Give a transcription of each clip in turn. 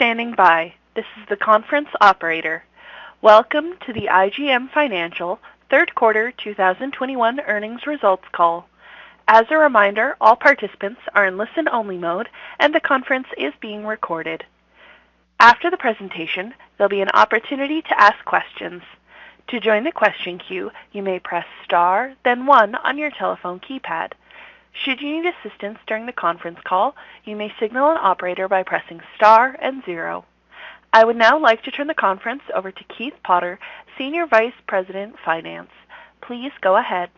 Standing by. This is the conference operator. Welcome to the IGM Financial Third Quarter 2021 earnings results call. As a reminder, all participants are in listen only mode, and the conference is being recorded. After the presentation, there'll be an opportunity to ask questions. To join the question queue, you may press star then one on your telephone keypad. Should you need assistance during the conference call, you may signal an operator by pressing star and zero. I would now like to turn the conference over to Keith Potter, Senior Vice President, Finance. Please go ahead.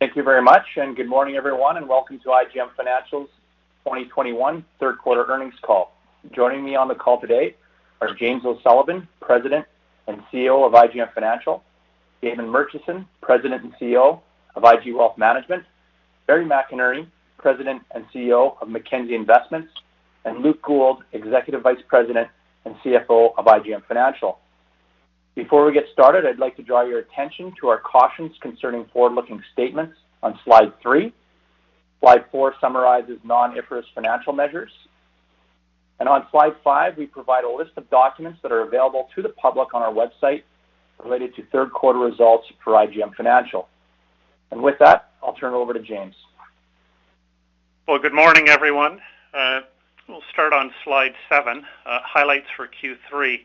Thank you very much, and good morning, everyone, and welcome to IGM Financial's 2021 third quarter earnings call. Joining me on the call today are James O'Sullivan, President and CEO of IGM Financial, Damon Murchison, President and CEO of IG Wealth Management, Barry McInerney, President and CEO of Mackenzie Investments, and Luke Gould, Executive Vice President and CFO of IGM Financial. Before we get started, I'd like to draw your attention to our cautions concerning forward-looking statements on slide three. Slide four summarizes non-IFRS financial measures. On slide five, we provide a list of documents that are available to the public on our website related to third quarter results for IGM Financial. With that, I'll turn it over to James. Good morning, everyone. We'll start on slide 7, highlights for Q3.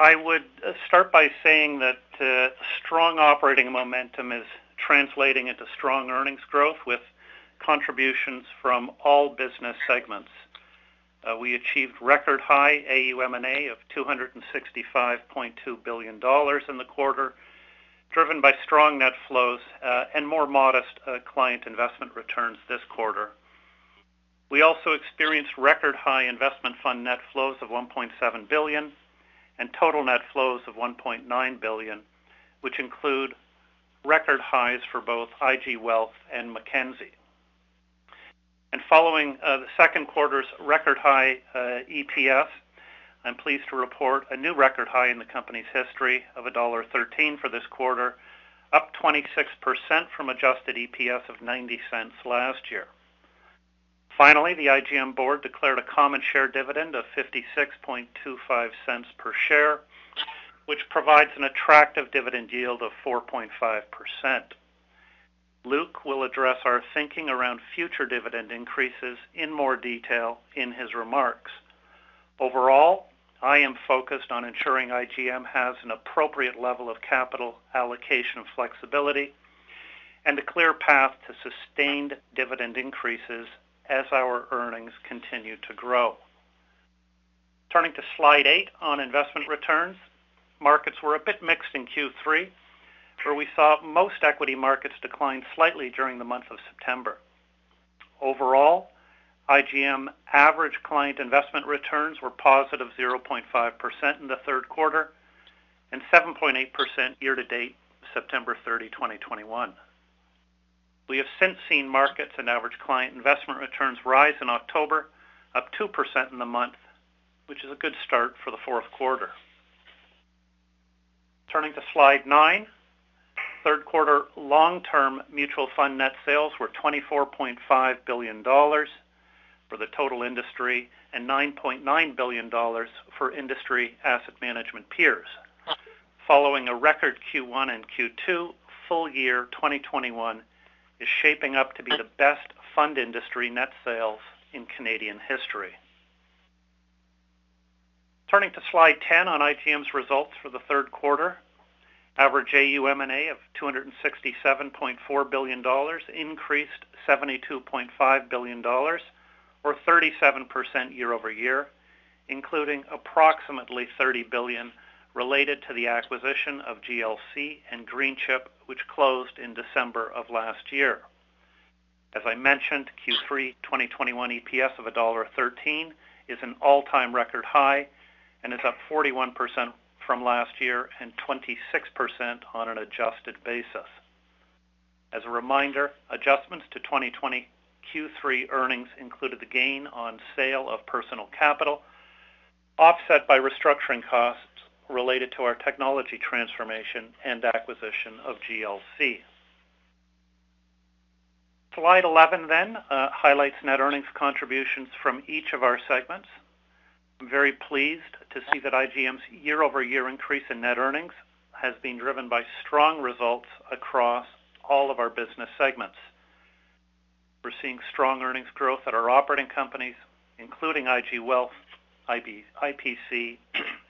I would start by saying that strong operating momentum is translating into strong earnings growth with contributions from all business segments. We achieved record high AUM&A of 265.2 billion dollars in the quarter, driven by strong net flows and more modest client investment returns this quarter. We also experienced record high investment fund net flows of 1.7 billion and total net flows of 1.9 billion, which include record highs for both IG Wealth and Mackenzie. Following the second quarter's record high EPS, I'm pleased to report a new record high in the company's history of dollar 1.13 for this quarter, up 26% from adjusted EPS of 0.90 last year. Finally, the IGM board declared a common share dividend of 0.5625 per share, which provides an attractive dividend yield of 4.5%. Luke will address our thinking around future dividend increases in more detail in his remarks. Overall, I am focused on ensuring IGM has an appropriate level of capital allocation flexibility and a clear path to sustained dividend increases as our earnings continue to grow. Turning to slide 8 on investment returns, markets were a bit mixed in Q3, where we saw most equity markets decline slightly during the month of September. Overall, IGM average client investment returns were positive 0.5% in the third quarter and 7.8% year to date September 30, 2021. We have since seen markets and average client investment returns rise in October, up 2% in the month, which is a good start for the fourth quarter. Turning to slide nine, third quarter long-term mutual fund net sales were 24.5 billion dollars for the total industry and 9.9 billion dollars for industry asset management peers. Following a record Q1 and Q2, full year 2021 is shaping up to be the best fund industry net sales in Canadian history. Turning to slide ten on IGM's results for the third quarter. Average AUM&A of 267.4 billion dollars increased 72.5 billion dollars or 37% year-over-year, including approximately 30 billion related to the acquisition of GLC and Greenchip, which closed in December of last year. As I mentioned, Q3 2021 EPS of dollar 1.13 is an all-time record high and is up 41% from last year and 26% on an adjusted basis. As a reminder, adjustments to 2020 Q3 earnings included the gain on sale of Personal Capital, offset by restructuring costs related to our technology transformation and acquisition of GLC. Slide 11 then highlights net earnings contributions from each of our segments. I'm very pleased to see that IGM's year-over-year increase in net earnings has been driven by strong results across all of our business segments. We're seeing strong earnings growth at our operating companies, including IG Wealth, IPC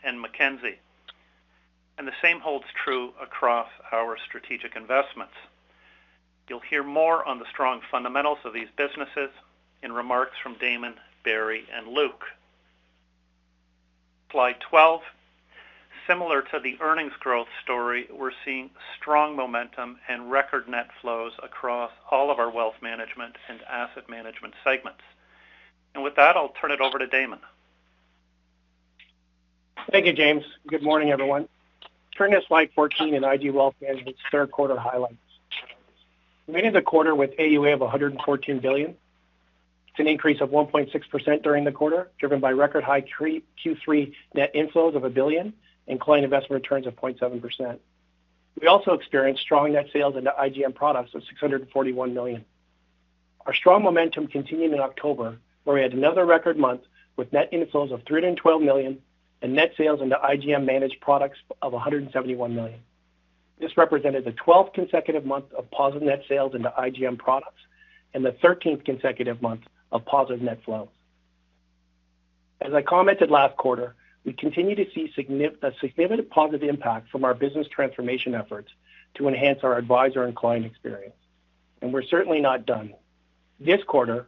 and Mackenzie. The same holds true across our strategic investments. You'll hear more on the strong fundamentals of these businesses in remarks from Damon, Barry, and Luke. Slide 12, similar to the earnings growth story, we're seeing strong momentum and record net flows across all of our wealth management and asset management segments. With that, I'll turn it over to Damon. Thank you, James. Good morning, everyone. Turning to slide 14 in IG Wealth Management's third quarter highlights. We ended the quarter with AUM of 114 billion. It's an increase of 1.6% during the quarter, driven by record high Q3 net inflows of 1 billion and client investment returns of 0.7%. We also experienced strong net sales into IGM products of 641 million. Our strong momentum continued in October, where we had another record month with net inflows of 312 million and net sales into IGM managed products of 171 million. This represented the twelfth consecutive month of positive net sales into IGM products and the thirteenth consecutive month of positive net flows. As I commented last quarter, we continue to see a significant positive impact from our business transformation efforts to enhance our advisor and client experience, and we're certainly not done. This quarter,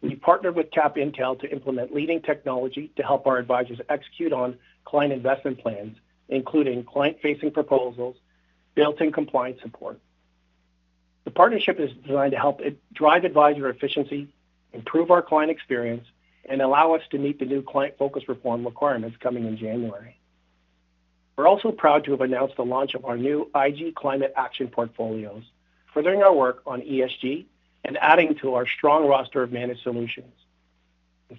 we partnered with CapIntel to implement leading technology to help our advisors execute on client investment plans, including client-facing proposals, built-in compliance support. The partnership is designed to help drive advisor efficiency, improve our client experience, and allow us to meet the new Client Focused Reforms requirements coming in January. We're also proud to have announced the launch of our new IG Climate Action Portfolios, furthering our work on ESG and adding to our strong roster of managed solutions.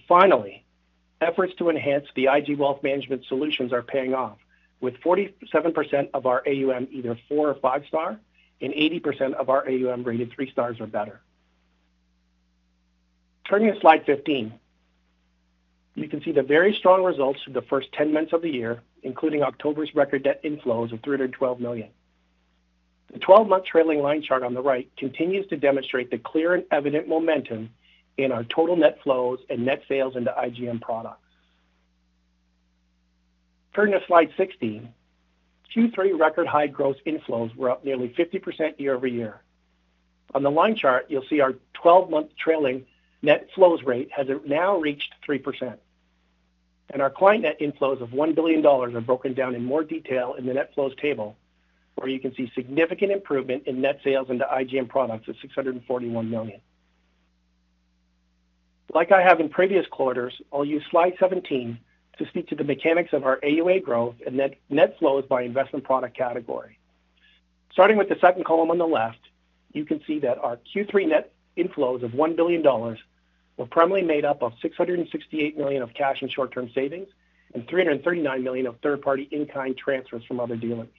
Finally, efforts to enhance the IG Wealth Management solutions are paying off, with 47% of our AUM either four- or five-star and 80% of our AUM rated three stars or better. Turning to slide 15, you can see the very strong results through the first 10 months of the year, including October's record net inflows of 312 million. The 12-month trailing line chart on the right continues to demonstrate the clear and evident momentum in our total net flows and net sales into IGM products. Turning to slide 16, Q3 record high gross inflows were up nearly 50% year-over-year. On the line chart, you'll see our twelve-month trailing net flows rate has now reached 3%. Our client net inflows of 1 billion dollars are broken down in more detail in the net flows table, where you can see significant improvement in net sales into IGM products of 641 million. Like I have in previous quarters, I'll use slide 17 to speak to the mechanics of our AUA growth and net flows by investment product category. Starting with the second column on the left, you can see that our Q3 net inflows of 1 billion dollars were primarily made up of 668 million of cash and short-term savings and 339 million of third-party in-kind transfers from other dealers.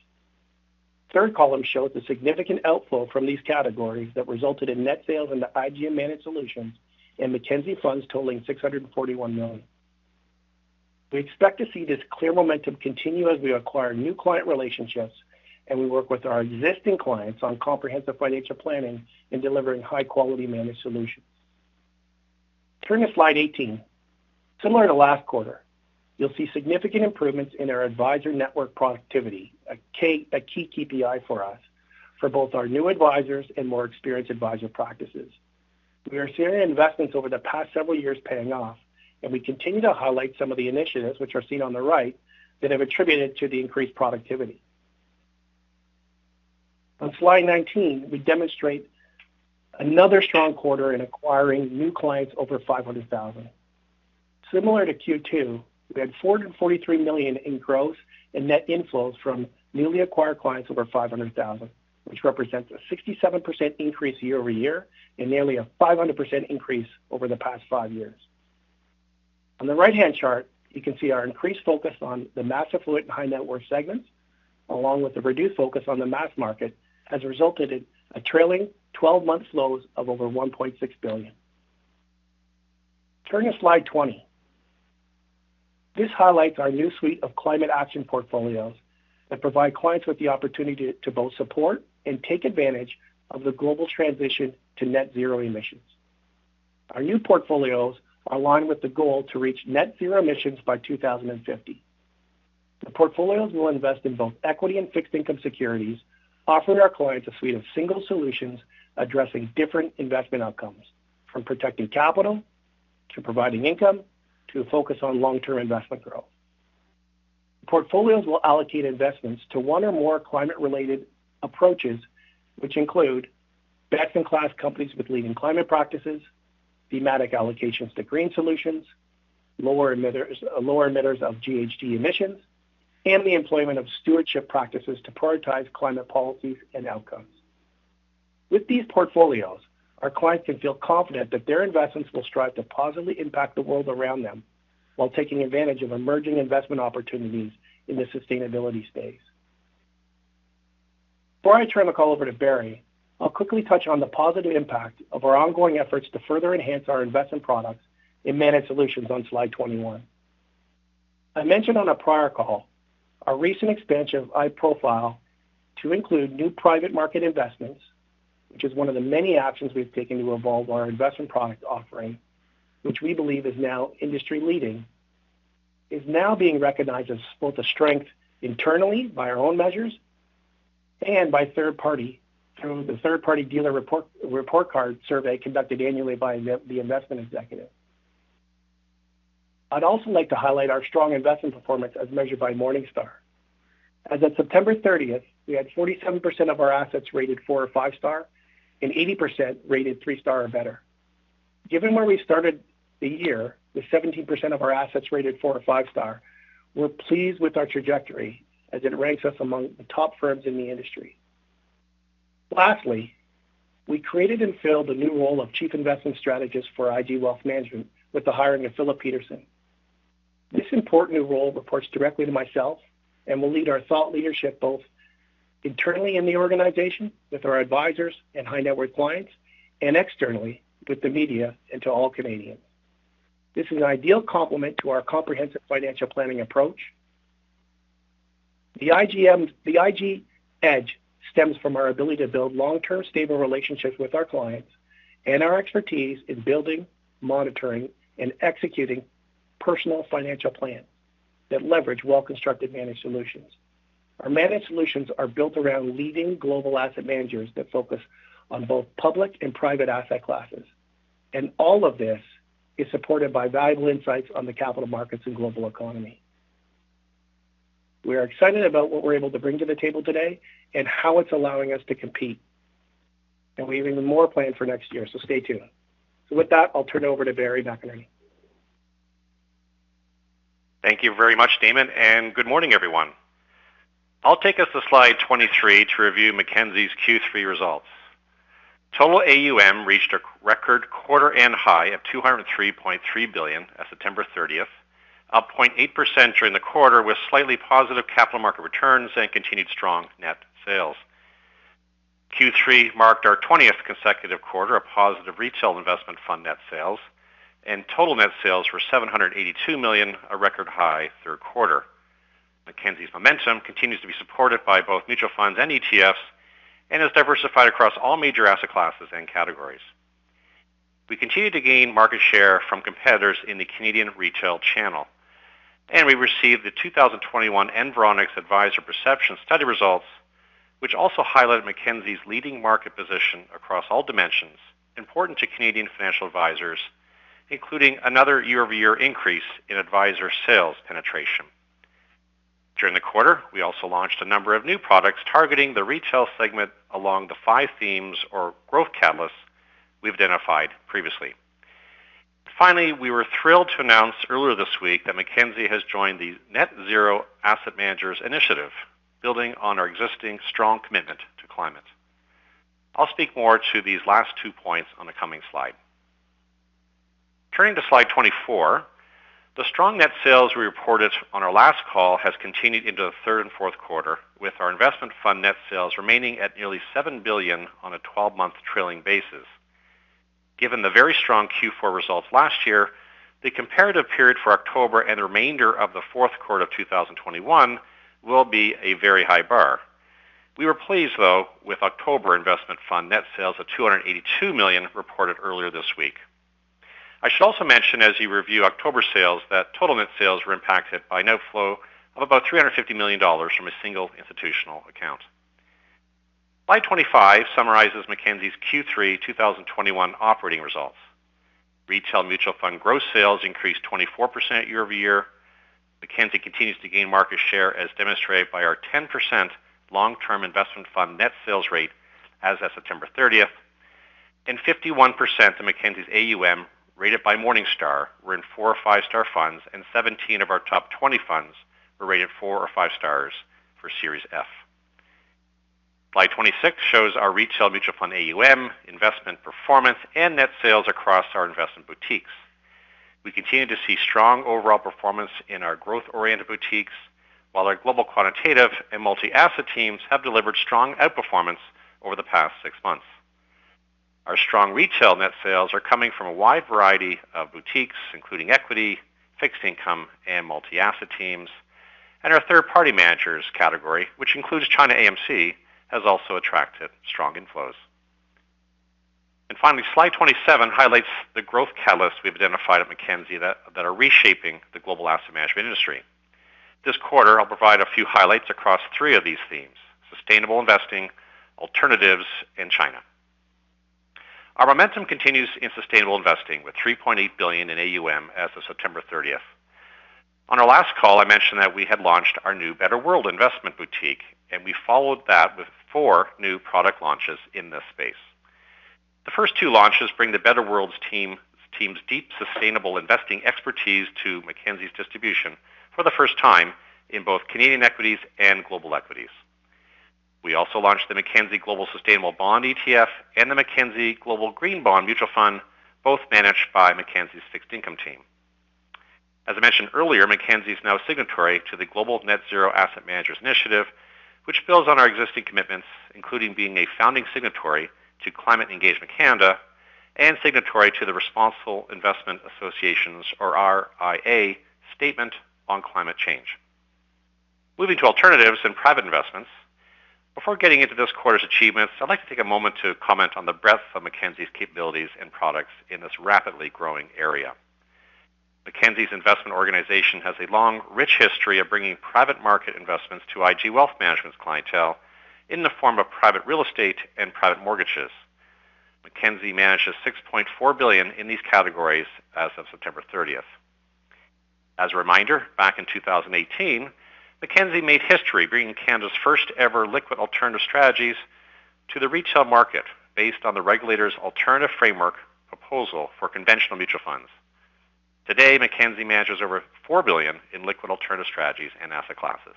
Third column shows the significant outflow from these categories that resulted in net sales into IGM managed solutions and Mackenzie funds totaling 641 million. We expect to see this clear momentum continue as we acquire new client relationships and we work with our existing clients on comprehensive financial planning in delivering high-quality managed solutions. Turning to slide 18. Similar to last quarter, you'll see significant improvements in our advisor network productivity, a key KPI for us for both our new advisors and more experienced advisor practices. We are seeing our investments over the past several years paying off, and we continue to highlight some of the initiatives which are seen on the right that have contributed to the increased productivity. On slide 19, we demonstrate another strong quarter in acquiring new clients over 500,000. Similar to Q2, we had 443 million in growth and net inflows from newly acquired clients over 500,000, which represents a 67% increase year-over-year and nearly a 500% increase over the past 5 years. On the right-hand chart, you can see our increased focus on the mass affluent high net worth segments, along with the reduced focus on the mass market, has resulted in a trailing 12-month flows of over 1.6 billion. Turning to slide 20. This highlights our new suite of climate action portfolios that provide clients with the opportunity to both support and take advantage of the global transition to net zero emissions. Our new portfolios are aligned with the goal to reach net zero emissions by 2050. The portfolios will invest in both equity and fixed income securities, offering our clients a suite of single solutions addressing different investment outcomes from protecting capital, to providing income, to a focus on long-term investment growth. Portfolios will allocate investments to one or more climate-related approaches, which include best-in-class companies with leading climate practices, thematic allocations to green solutions, lower emitters of GHG emissions, and the employment of stewardship practices to prioritize climate policies and outcomes. With these portfolios, our clients can feel confident that their investments will strive to positively impact the world around them while taking advantage of emerging investment opportunities in the sustainability space. Before I turn the call over to Barry, I'll quickly touch on the positive impact of our ongoing efforts to further enhance our investment products in managed solutions on slide 21. I mentioned on a prior call our recent expansion of iProfile to include new private market investments, which is one of the many actions we've taken to evolve our investment product offering, which we believe is now industry-leading. Which is now being recognized as both a strength internally by our own measures and by third party through the third-party dealer Report Card survey conducted annually by the Investment Executive. I'd also like to highlight our strong investment performance as measured by Morningstar. As of 30th September, we had 47% of our assets rated four or five star and 80% rated three star or better. Given where we started the year, with 17% of our assets rated four or five star, we're pleased with our trajectory as it ranks us among the top firms in the industry. Lastly, we created and filled a new role of Chief Investment Strategist for IG Wealth Management with the hiring of Philip Petursson. This important new role reports directly to myself and will lead our thought leadership both internally in the organization with our advisors and high-net-worth clients, and externally with the media and to all Canadians. This is an ideal complement to our comprehensive financial planning approach. The IG Edge stems from our ability to build long-term, stable relationships with our clients and our expertise in building, monitoring, and executing personal financial plans that leverage well-constructed managed solutions. Our managed solutions are built around leading global asset managers that focus on both public and private asset classes. All of this is supported by valuable insights on the capital markets and global economy. We are excited about what we're able to bring to the table today and how it's allowing us to compete. We have even more planned for next year, so stay tuned. With that, I'll turn it over to Barry McInerney. Thank you very much, Damon, and good morning, everyone. I'll take us to slide 23 to review Mackenzie's Q3 results. Total AUM reached a record quarterly high of 203.3 billion at September 30, up 0.8% during the quarter, with slightly positive capital market returns and continued strong net sales. Q3 marked our 20th consecutive quarter of positive retail investment fund net sales, and total net sales were 782 million, a record high third quarter. Mackenzie's momentum continues to be supported by both mutual funds and ETFs and is diversified across all major asset classes and categories. We continue to gain market share from competitors in the Canadian retail channel, and we received the 2021 Environics Advisor Perception Study results, which also highlighted Mackenzie's leading market position across all dimensions important to Canadian financial advisors, including another year-over-year increase in advisor sales penetration. During the quarter, we also launched a number of new products targeting the retail segment along the five themes or growth catalysts we've identified previously. Finally, we were thrilled to announce earlier this week that Mackenzie has joined the Net Zero Asset Managers Initiative, building on our existing strong commitment to climate. I'll speak more to these last two points on the coming slide. Turning to slide 24. The strong net sales we reported on our last call has continued into the third and fourth quarter, with our investment fund net sales remaining at nearly 7 billion on a twelve-month trailing basis. Given the very strong Q4 results last year, the comparative period for October and the remainder of the fourth quarter of 2021 will be a very high bar. We were pleased, though, with October investment fund net sales of 282 million reported earlier this week. I should also mention, as you review October sales, that total net sales were impacted by net flow of about 350 million dollars from a single institutional account. Slide 25 summarizes Mackenzie's Q3 2021 operating results. Retail mutual fund gross sales increased 24% year-over-year. Mackenzie continues to gain market share, as demonstrated by our 10% long-term investment fund net sales rate as of September 30. 51% of Mackenzie's AUM rated by Morningstar were in 4- or 5 star funds, and 17 of our top 20 funds were rated 4 or 5 stars for Series F. Slide 26 shows our retail mutual fund AUM, investment performance, and net sales across our investment boutiques. We continue to see strong overall performance in our growth-oriented boutiques, while our global quantitative and multi-asset teams have delivered strong outperformance over the past six months. Our strong retail net sales are coming from a wide variety of boutiques, including equity, fixed income, and multi-asset teams. Our third-party managers category, which includes China AMC, has also attracted strong inflows. Finally, slide 27 highlights the growth catalysts we've identified at Mackenzie that are reshaping the global asset management industry. This quarter, I'll provide a few highlights across three of these themes, sustainable investing, alternatives, and China. Our momentum continues in sustainable investing, with 3.8 billion in AUM as of 30th September. On our last call, I mentioned that we had launched our new Better World investment boutique, and we followed that with four new product launches in this space. The first two launches bring the Better World's team's deep sustainable investing expertise to Mackenzie's distribution for the first time in both Canadian equities and global equities. We also launched the Mackenzie Global Sustainable Bond ETF and the Mackenzie Global Green Bond Mutual Fund, both managed by Mackenzie's fixed income team. As I mentioned earlier, Mackenzie is now signatory to the Global Net Zero Asset Managers Initiative, which builds on our existing commitments, including being a founding signatory to Climate Engagement Canada and signatory to the Responsible Investment Association's, or RIA, Statement on Climate Change. Moving to alternatives and private investments. Before getting into this quarter's achievements, I'd like to take a moment to comment on the breadth of Mackenzie's capabilities and products in this rapidly growing area. Mackenzie's investment organization has a long, rich history of bringing private market investments to IG Wealth Management's clientele in the form of private real estate and private mortgages. Mackenzie manages 6.4 billion in these categories as of September thirtieth. As a reminder, back in 2018, Mackenzie made history bringing Canada's first-ever liquid alternative strategies to the retail market based on the regulator's alternative framework proposal for conventional mutual funds. Today, Mackenzie manages over 4 billion in liquid alternative strategies and asset classes.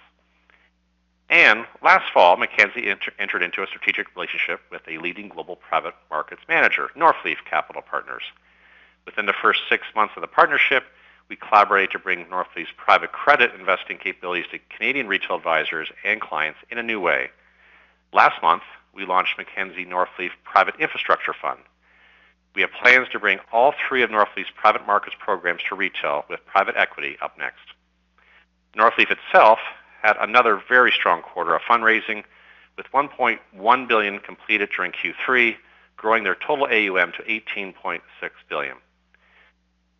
Last fall, Mackenzie entered into a strategic relationship with a leading global private markets manager, Northleaf Capital Partners. Within the first six months of the partnership, we collaborated to bring Northleaf's private credit investing capabilities to Canadian retail advisors and clients in a new way. Last month, we launched Mackenzie Northleaf Private Infrastructure Fund. We have plans to bring all three of Northleaf's private markets programs to retail, with private equity up next. Northleaf itself had another very strong quarter of fundraising, with 1.1 billion completed during Q3, growing their total AUM to 18.6 billion.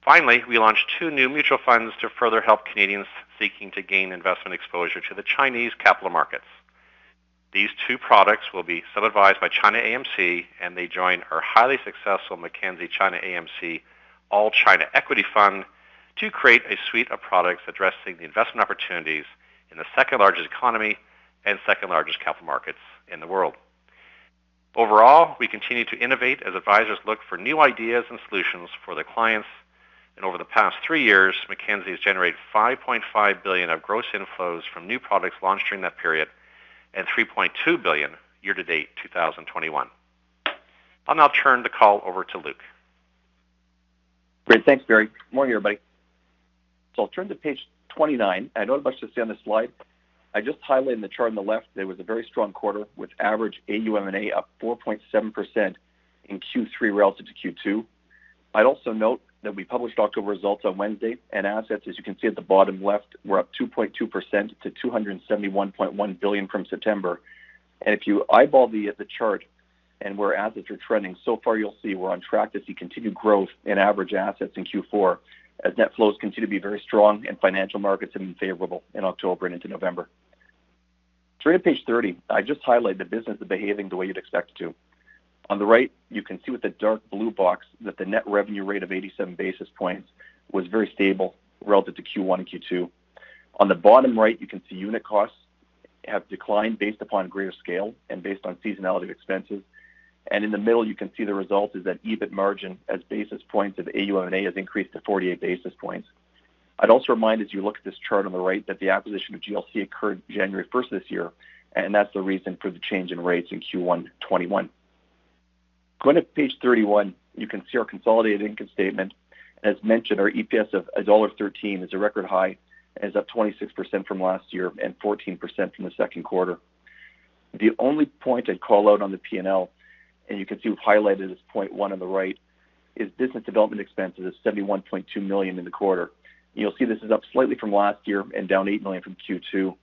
Finally, we launched two new mutual funds to further help Canadians seeking to gain investment exposure to the Chinese capital markets. These two products will be sub-advised by China AMC, and they join our highly successful Mackenzie China AMC All China Equity Fund to create a suite of products addressing the investment opportunities in the second-largest economy and second-largest capital markets in the world. Overall, we continue to innovate as advisors look for new ideas and solutions for their clients. Over the past three years, Mackenzie has generated 5.5 billion of gross inflows from new products launched during that period and 3.2 billion year-to-date, 2021. I'll now turn the call over to Luke. Great. Thanks, Barry. Morning, everybody. I'll turn to page 29. I know there's not much to see on this slide. I just highlighted in the chart on the left, it was a very strong quarter, with average AUM and AUA up 4.7% in Q3 relative to Q2. I'd also note that we published October results on Wednesday, and assets, as you can see at the bottom left, were up 2.2% to 271.1 billion from September. If you eyeball the chart and where assets are trending so far, you'll see we're on track to see continued growth in average assets in Q4 as net flows continue to be very strong and financial markets have been favorable in October and into November. Turning to page 30, I just highlight the business behaving the way you'd expect it to. On the right, you can see with the dark blue box that the net revenue rate of 87 basis points was very stable relative to Q1 and Q2. On the bottom right, you can see unit costs have declined based upon greater scale and based on seasonality of expenses. In the middle, you can see the result is that EBIT margin as basis points of AUM and A has increased to 48 basis points. I'd also remind, as you look at this chart on the right, that the acquisition of GLC occurred January first this year, and that's the reason for the change in rates in Q1 2021. Going to page 31, you can see our consolidated income statement. As mentioned, our EPS of CAD 1.13 is a record high and is up 26% from last year and 14% from the second quarter. The only point I'd call out on the P&L, and you can see we've highlighted as point 1 on the right, is business development expenses of 71.2 million in the quarter. You'll see this is up slightly from last year and down 8 million from Q2.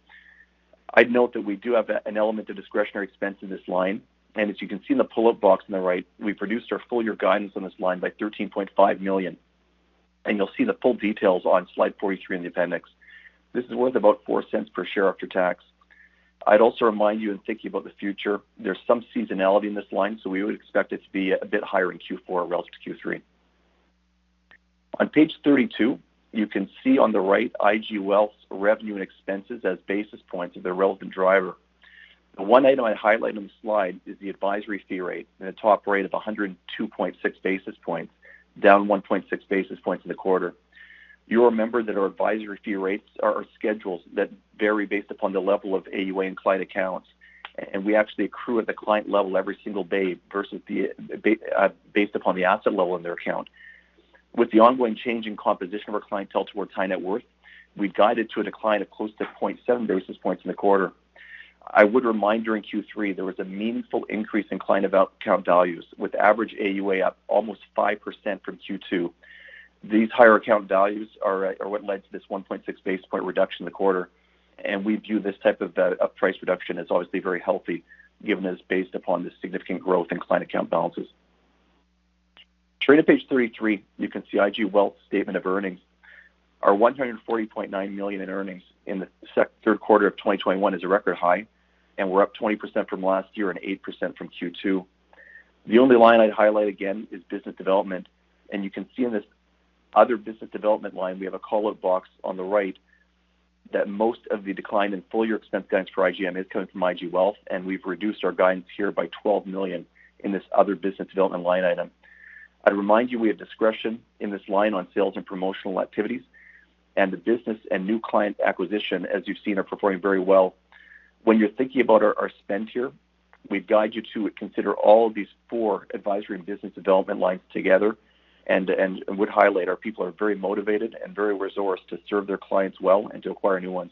I'd note that we do have an element of discretionary expense in this line. As you can see in the pull-up box on the right, we produced our full-year guidance on this line by 13.5 million. You'll see the full details on slide 43 in the appendix. This is worth about 0.04 per share after tax. I'd also remind you, in thinking about the future, there's some seasonality in this line, so we would expect it to be a bit higher in Q4 relative to Q3. On page 32, you can see on the right IG Wealth's revenue and expenses as basis points of their relevant driver. The one item I highlight on the slide is the advisory fee rate and the top rate of 102.6 basis points, down 1.6 basis points in the quarter. You'll remember that our advisory fee rates are schedules that vary based upon the level of AUA in client accounts, and we actually accrue at the client level every single day versus based upon the asset level in their account. With the ongoing change in composition of our clientele toward high net worth, we guided to a decline of close to 0.7 basis points in the quarter. I would remind during Q3, there was a meaningful increase in client account values, with average AUA up almost 5% from Q2. These higher account values are what led to this 1.6 basis point reduction in the quarter, and we view this type of of price reduction as obviously very healthy, given that it's based upon the significant growth in client account balances. Turning to page 33, you can see IG Wealth statement of earnings. Our 140.9 million in earnings in the third quarter of 2021 is a record high, and we're up 20% from last year and 8% from Q2. The only line I'd highlight again is business development, and you can see in this other business development line, we have a call-out box on the right that most of the decline in full-year expense guidance for IGM is coming from IG Wealth, and we've reduced our guidance here by 12 million in this other business development line item. I'd remind you we have discretion in this line on sales and promotional activities, and the business and new client acquisition, as you've seen, are performing very well. When you're thinking about our spend here, we'd guide you to consider all of these four advisory and business development lines together and would highlight our people are very motivated and very resourced to serve their clients well and to acquire new ones.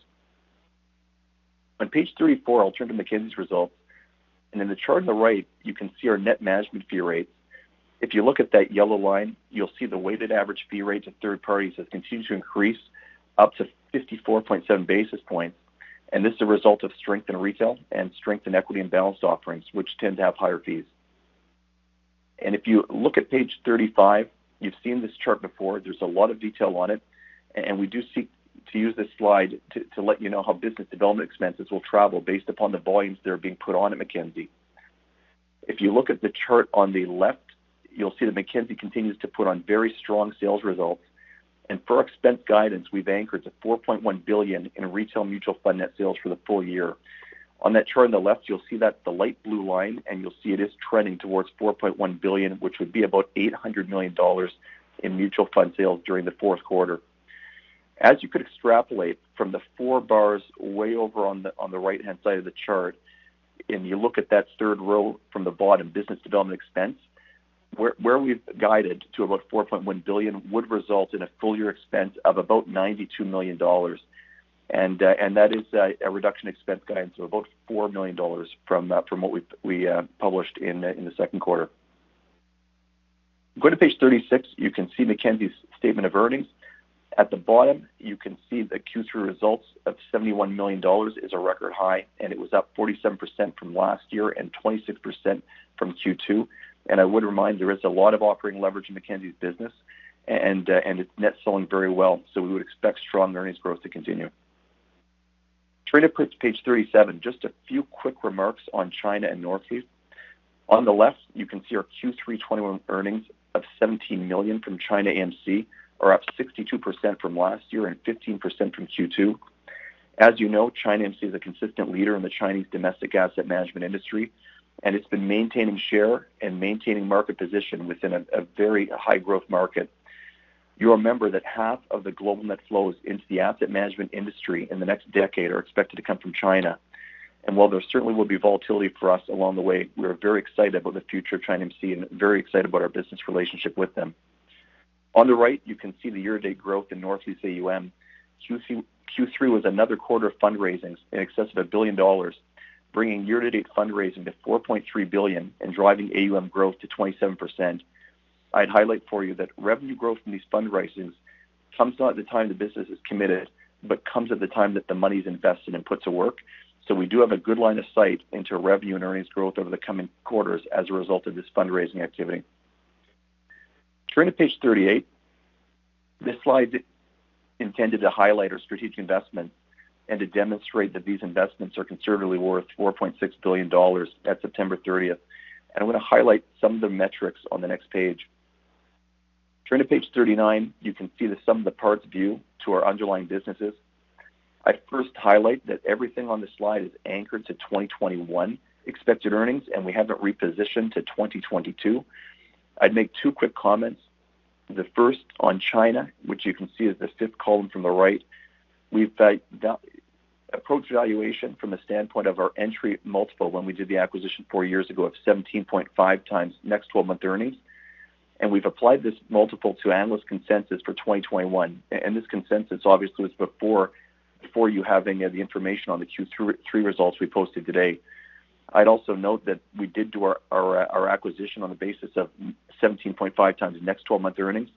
On page 34, I'll turn to Mackenzie's results. In the chart on the right, you can see our net management fee rates. If you look at that yellow line, you'll see the weighted average fee rates of third parties has continued to increase up to 54.7 basis points. This is a result of strength in retail and strength in equity and balanced offerings, which tend to have higher fees. If you look at page 35, you've seen this chart before. There's a lot of detail on it, and we do seek to use this slide to let you know how business development expenses will travel based upon the volumes that are being put on at Mackenzie. If you look at the chart on the left, you'll see that Mackenzie continues to put on very strong sales results. For our expense guidance, we've anchored to 4.1 billion in retail mutual fund net sales for the full year. On that chart on the left, you'll see that the light blue line, and you'll see it is trending towards 4.1 billion, which would be about 800 million dollars in mutual fund sales during the fourth quarter. As you could extrapolate from the four bars way over on the right-hand side of the chart, and you look at that third row from the bottom, business development expense, where we've guided to about 4.1 billion would result in a full year expense of about 92 million dollars. That is a reduction in expense guidance of about 4 million dollars from what we published in the second quarter. Go to page 36. You can see Mackenzie's statement of earnings. At the bottom, you can see the Q3 results of 71 million dollars is a record high, and it was up 47% from last year and 26% from Q2. I would remind there is a lot of operating leverage in Mackenzie's business, and it's net selling very well, so we would expect strong earnings growth to continue. Turn to page 37. Just a few quick remarks on China and Northleaf. On the left, you can see our Q3 2021 earnings of 17 million from China AMC are up 62% from last year and 15% from Q2. As you know, China AMC is a consistent leader in the Chinese domestic asset management industry, and it's been maintaining share and maintaining market position within a very high growth market. You'll remember that half of the global net flows into the asset management industry in the next decade are expected to come from China. While there certainly will be volatility for us along the way, we're very excited about the future of China AMC and very excited about our business relationship with them. On the right, you can see the year-to-date growth in Northleaf AUM. Q3 was another quarter of fundraising in excess of 1 billion dollars, bringing year-to-date fundraising to 4.3 billion and driving AUM growth to 27%. I'd highlight for you that revenue growth from these fundraisings comes not at the time the business is committed but comes at the time that the money is invested and put to work. We do have a good line of sight into revenue and earnings growth over the coming quarters as a result of this fundraising activity. Turn to page 38. This slide is intended to highlight our strategic investment and to demonstrate that these investments are conservatively worth 4.6 billion dollars at September 30. I'm going to highlight some of the metrics on the next page. Turn to page 39. You can see the sum of the parts view to our underlying businesses. I'd first highlight that everything on this slide is anchored to 2021 expected earnings, and we have it repositioned to 2022. I'd make two quick comments. The first on China, which you can see is the fifth column from the right. We've approached valuation from the standpoint of our entry multiple when we did the acquisition four years ago of 17.5 times next twelve month earnings. We've applied this multiple to analyst consensus for 2021. This consensus obviously was before you having the information on the Q3 results we posted today. I'd also note that we did our acquisition on the basis of 17.5 times next twelve month earnings.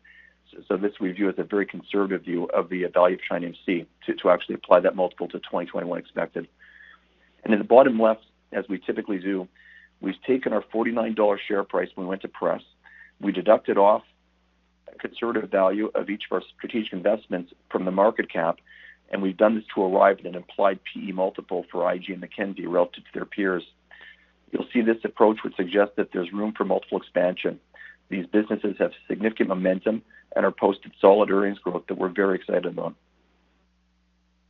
This we view as a very conservative view of the value of ChinaAMC to actually apply that multiple to 2021 expected. In the bottom left, as we typically do, we've taken our 49 dollar share price when we went to press. We deducted off a conservative value of each of our strategic investments from the market cap, and we've done this to arrive at an implied PE multiple for IG and Mackenzie relative to their peers. You'll see this approach would suggest that there's room for multiple expansion. These businesses have significant momentum and are posted solid earnings growth that we're very excited about.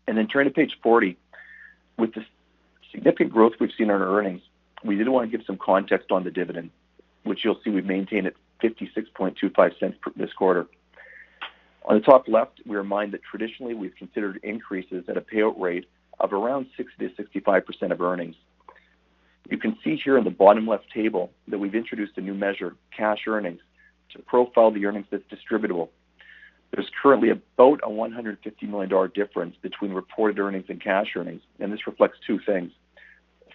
Turn to page 40. With the significant growth we've seen in our earnings, we did want to give some context on the dividend, which you'll see we've maintained at 0.5625 per share this quarter. On the top left, we remind that traditionally we've considered increases at a payout rate of around 60%-65% of earnings. You can see here in the bottom left table that we've introduced a new measure, cash earnings, to profile the earnings that's distributable. There's currently about 150 million dollar difference between reported earnings and cash earnings, and this reflects two things.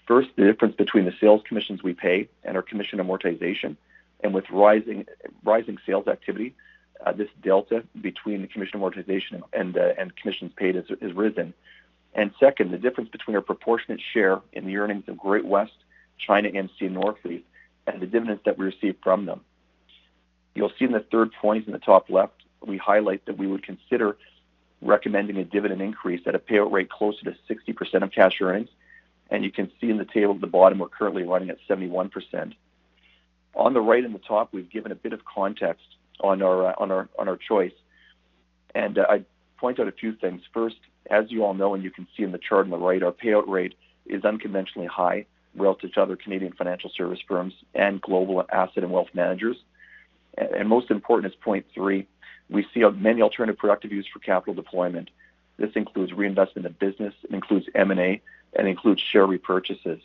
First, the difference between the sales commissions we pay and our commission amortization. With rising sales activity, this delta between the commission amortization and commissions paid has risen. Second, the difference between our proportionate share in the earnings of Great-West Lifeco, China AMC, and Northleaf, and the dividends that we receive from them. You'll see in the third point in the top left, we highlight that we would consider recommending a dividend increase at a payout rate closer to 60% of cash earnings. You can see in the table at the bottom, we're currently running at 71%. On the right in the top, we've given a bit of context on our choice. I'd point out a few things. First, as you all know and you can see in the chart on the right, our payout rate is unconventionally high relative to other Canadian financial service firms and global asset and wealth managers. Most important is point three. We see many alternative productive use for capital deployment. This includes reinvestment in business, it includes M&A, and includes share repurchases.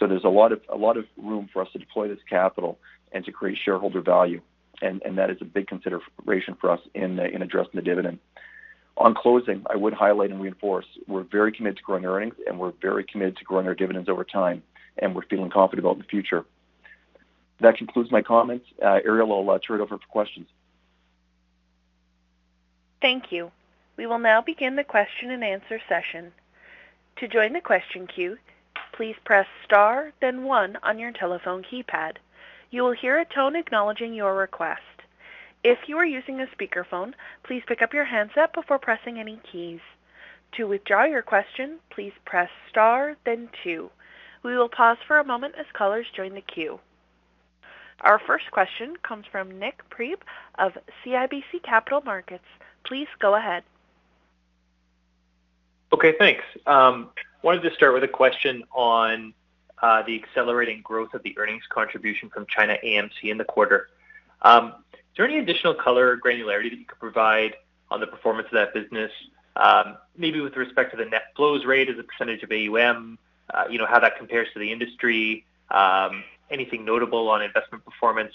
There's a lot of room for us to deploy this capital and to create shareholder value. That is a big consideration for us in addressing the dividend. On closing, I would highlight and reinforce, we're very committed to growing earnings and we're very committed to growing our dividends over time, and we're feeling confident about the future. That concludes my comments. Ariel will turn it over for questions. Thank you. We will now begin the question-and-answer session. To join the question queue, please press Star, then One on your telephone keypad. You will hear a tone acknowledging your request. If you are using a speakerphone, please pick up your handset before pressing any keys. To withdraw your question, please press Star then Two. We will pause for a moment as callers join the queue. Our first question comes from Nik Priebe of CIBC Capital Markets. Please go ahead. Okay, thanks. Wanted to start with a question on the accelerating growth of the earnings contribution from China AMC in the quarter. Is there any additional color granularity that you could provide on the performance of that business, maybe with respect to the net flows rate as a percentage of AUM, you know, how that compares to the industry, anything notable on investment performance?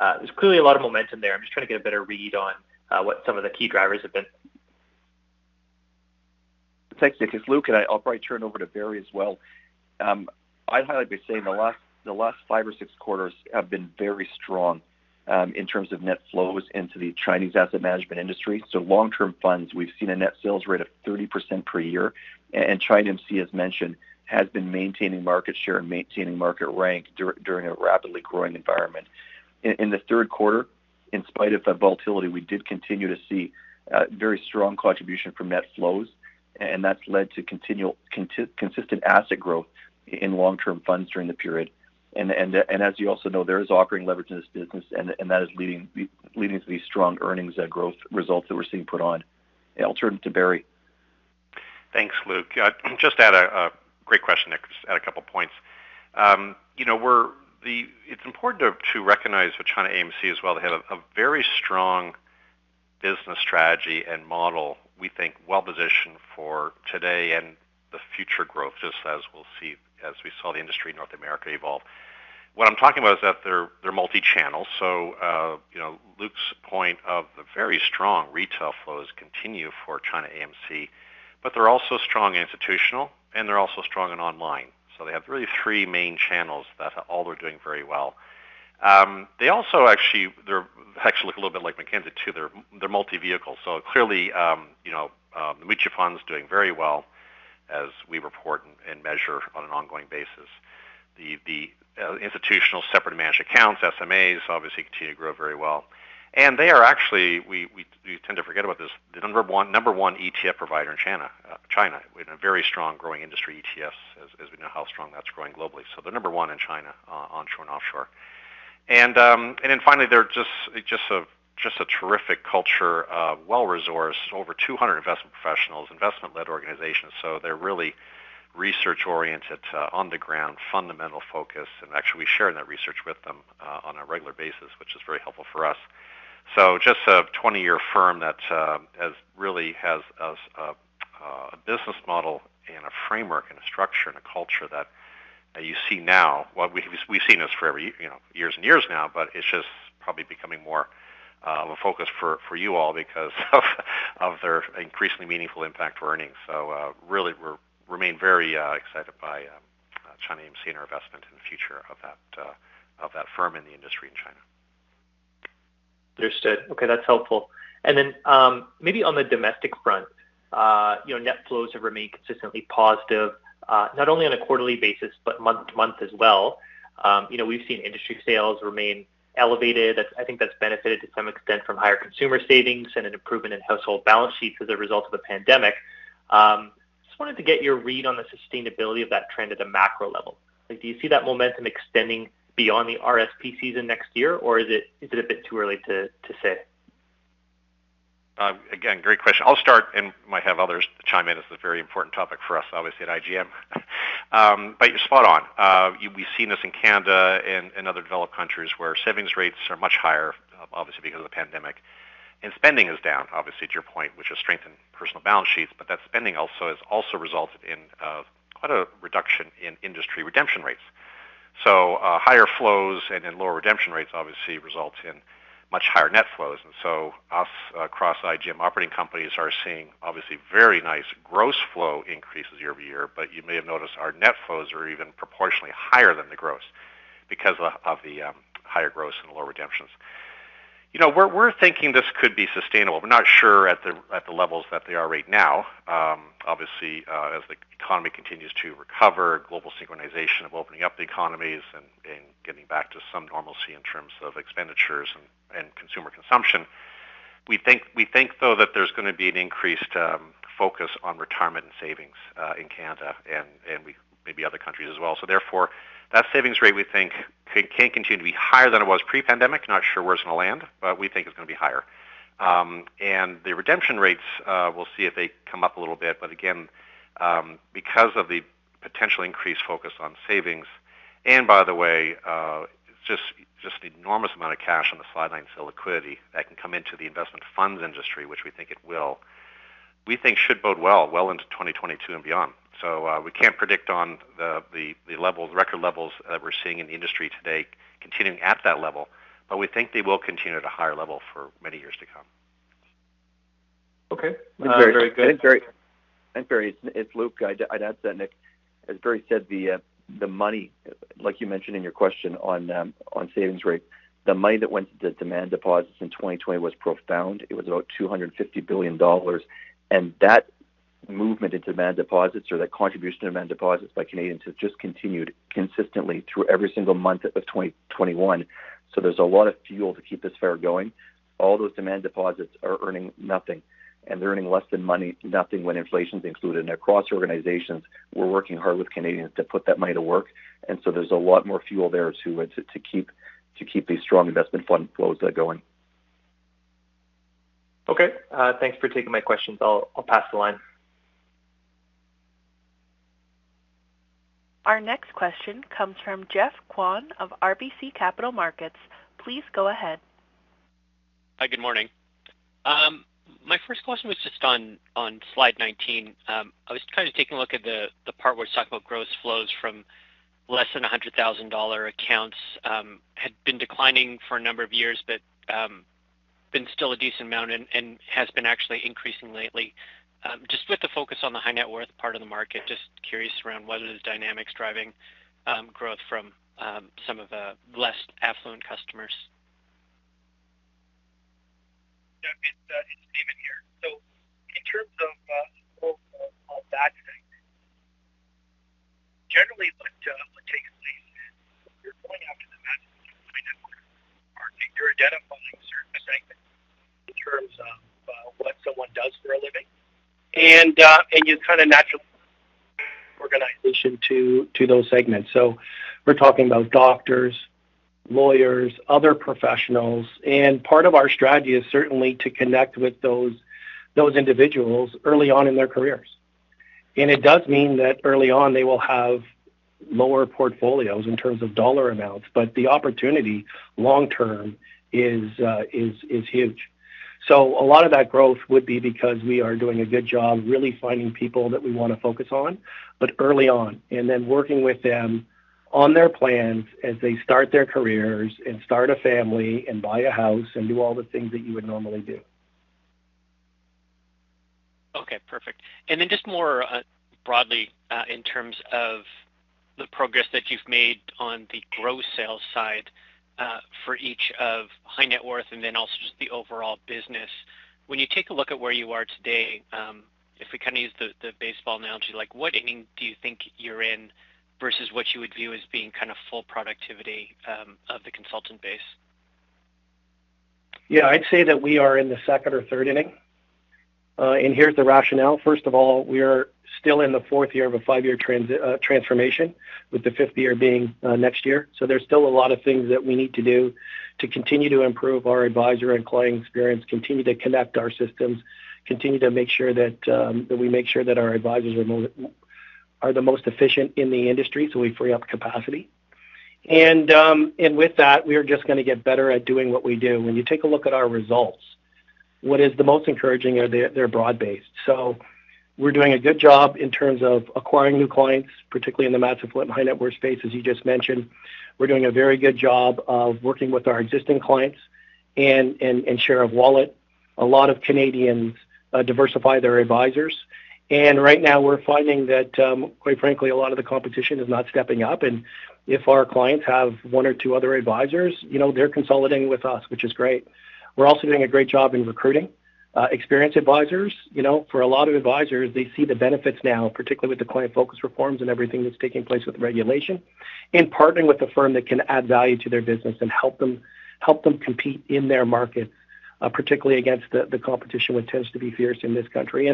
There's clearly a lot of momentum there. I'm just trying to get a better read on what some of the key drivers have been. Thanks, Nick. It's Luke, and I'll probably turn over to Barry as well. I'd highlight by saying the last five or six quarters have been very strong in terms of net flows into the Chinese asset management industry. Long-term funds, we've seen a net sales rate of 30% per year, and China AMC, as mentioned, has been maintaining market share and maintaining market rank during a rapidly growing environment. In the third quarter, in spite of the volatility, we did continue to see very strong contribution from net flows, and that's led to consistent asset growth in long-term funds during the period. As you also know, there is operating leverage in this business, and that is leading to these strong earnings and growth results that we're seeing put on. I'll turn it to Barry. Thanks, Luke. I'd just add a couple points. It's a great question, Nick. It's important to recognize with China AMC as well. They have a very strong business strategy and model, we think well-positioned for today and the future growth, just as we'll see, as we saw the industry in North America evolve. What I'm talking about is that they're multi-channel. Luke's point of the very strong retail flows continue for China AMC, but they're also strong institutional, and they're also strong in online. So they have really three main channels that all are doing very well. They also actually look a little bit like Mackenzie, too. They're multi-vehicle. So clearly, the mutual fund's doing very well as we report and measure on an ongoing basis. The institutional separate managed accounts, SMAs, obviously continue to grow very well. They are actually we tend to forget about this, the number one ETF provider in China AMC. We have a very strong growing ETF industry, as we know how strong that's growing globally. They're number one in China, onshore and offshore. Finally, they're just a terrific culture, well-resourced, over 200 investment professionals, investment-led organization. They're really research-oriented, on the ground, fundamental focus. Actually, we share that research with them on a regular basis, which is very helpful for us. Just a 20 year firm that has a business model and a framework and a structure and a culture that you see now. Well, we've seen this for ever, you know, years and years now, but it's just probably becoming more of a focus for you all because of their increasingly meaningful impact to earnings. Really remain very excited by China AMC and our investment in the future of that firm in the industry in China. Understood. Okay, that's helpful. Maybe on the domestic front, you know, net flows have remained consistently positive, not only on a quarterly basis but month to month as well. You know, we've seen industry sales remain elevated. That's. I think that's benefited to some extent from higher consumer savings and an improvement in household balance sheets as a result of the pandemic. Just wanted to get your read on the sustainability of that trend at a macro level. Like, do you see that momentum extending beyond the RSP season next year, or is it a bit too early to say? Again, great question. I'll start and might have others chime in. This is a very important topic for us, obviously, at IGM. You're spot on. We've seen this in Canada and other developed countries where savings rates are much higher, obviously because of the pandemic. Spending is down, obviously, to your point, which has strengthened personal balance sheets, but that spending also has resulted in quite a reduction in industry redemption rates. Higher flows and then lower redemption rates obviously results in much higher net flows. Across IGM operating companies are seeing obviously very nice gross flow increases year over year, but you may have noticed our net flows are even proportionally higher than the gross because of the higher gross and lower redemptions. You know, we're thinking this could be sustainable. We're not sure at the levels that they are right now. Obviously, as the economy continues to recover, global synchronization of opening up the economies and getting back to some normalcy in terms of expenditures and consumer consumption. We think, though, that there's gonna be an increased focus on retirement and savings in Canada and maybe other countries as well. Therefore, that savings rate, we think can continue to be higher than it was pre-pandemic. Not sure where it's gonna land, but we think it's gonna be higher. The redemption rates, we'll see if they come up a little bit. Again, because of the potential increased focus on savings, and by the way, just the enormous amount of cash on the sideline, so liquidity that can come into the investment funds industry, which we think it will. We think should bode well into 2022 and beyond. We can't predict on the levels, record levels that we're seeing in the industry today continuing at that level, but we think they will continue at a higher level for many years to come. Okay. Very good. Barry, it's Luke. I'd add to that, Nick. As Barry said, the money, like you mentioned in your question on savings rate, the money that went into demand deposits in 2020 was profound. It was about 250 billion dollars. That movement into demand deposits or that contribution to demand deposits by Canadians has just continued consistently through every single month of 2021. There's a lot of fuel to keep this fire going. All those demand deposits are earning nothing, and they're earning less than nothing when inflation's included. Across organizations, we're working hard with Canadians to put that money to work. There's a lot more fuel there to keep these strong investment fund flows going. Okay. Thanks for taking my questions. I'll pass the line. Our next question comes from Geoffrey Kwan of RBC Capital Markets. Please go ahead. Hi, good morning. My first question was just on slide 19. I was kind of taking a look at the part where it's talking about gross flows from less than 100,000 dollar accounts, had been declining for a number of years, but been still a decent amount and has been actually increasing lately. Just with the focus on the high net worth part of the market, just curious around what is dynamics driving growth from some of the less affluent customers. Yeah. It's Damon here. In terms of that segment, generally what takes place. You're going after the mass affluent high net worth market. You're identifying a certain segment in terms of what someone does for a living. You kind of naturally organize to those segments. We're talking about doctors, lawyers, other professionals. Part of our strategy is certainly to connect with those individuals early on in their careers. It does mean that early on they will have lower portfolios in terms of dollar amounts, but the opportunity long-term is huge. A lot of that growth would be because we are doing a good job really finding people that we want to focus on, but early on, and then working with them on their plans as they start their careers and start a family and buy a house and do all the things that you would normally do. Okay. Perfect. Just more broadly, in terms of the progress that you've made on the gross sales side, for each of high net worth, and then also just the overall business. When you take a look at where you are today, if we kind of use the baseball analogy, like what inning do you think you're in versus what you would view as being kind of full productivity, of the consultant base? Yeah, I'd say that we are in the second or third inning. Here's the rationale. First of all, we are still in the fourth year of a five-year transformation, with the fifth year being next year. There's still a lot of things that we need to do to continue to improve our advisor and client experience, continue to connect our systems, continue to make sure that we make sure that our advisors are the most efficient in the industry, so we free up capacity. With that, we are just going to get better at doing what we do. When you take a look at our results, what is the most encouraging is that they're broad-based. We're doing a good job in terms of acquiring new clients, particularly in the mass affluent, high net worth space, as you just mentioned. We're doing a very good job of working with our existing clients and share of wallet. A lot of Canadians diversify their advisors. Right now we're finding that, quite frankly, a lot of the competition is not stepping up. If our clients have one or two other advisors, you know, they're consolidating with us, which is great. We're also doing a great job in recruiting experienced advisors. You know, for a lot of advisors, they see the benefits now, particularly with the Client Focused Reforms and everything that's taking place with regulation and partnering with a firm that can add value to their business and help them compete in their market, particularly against the competition, which tends to be fierce in this country.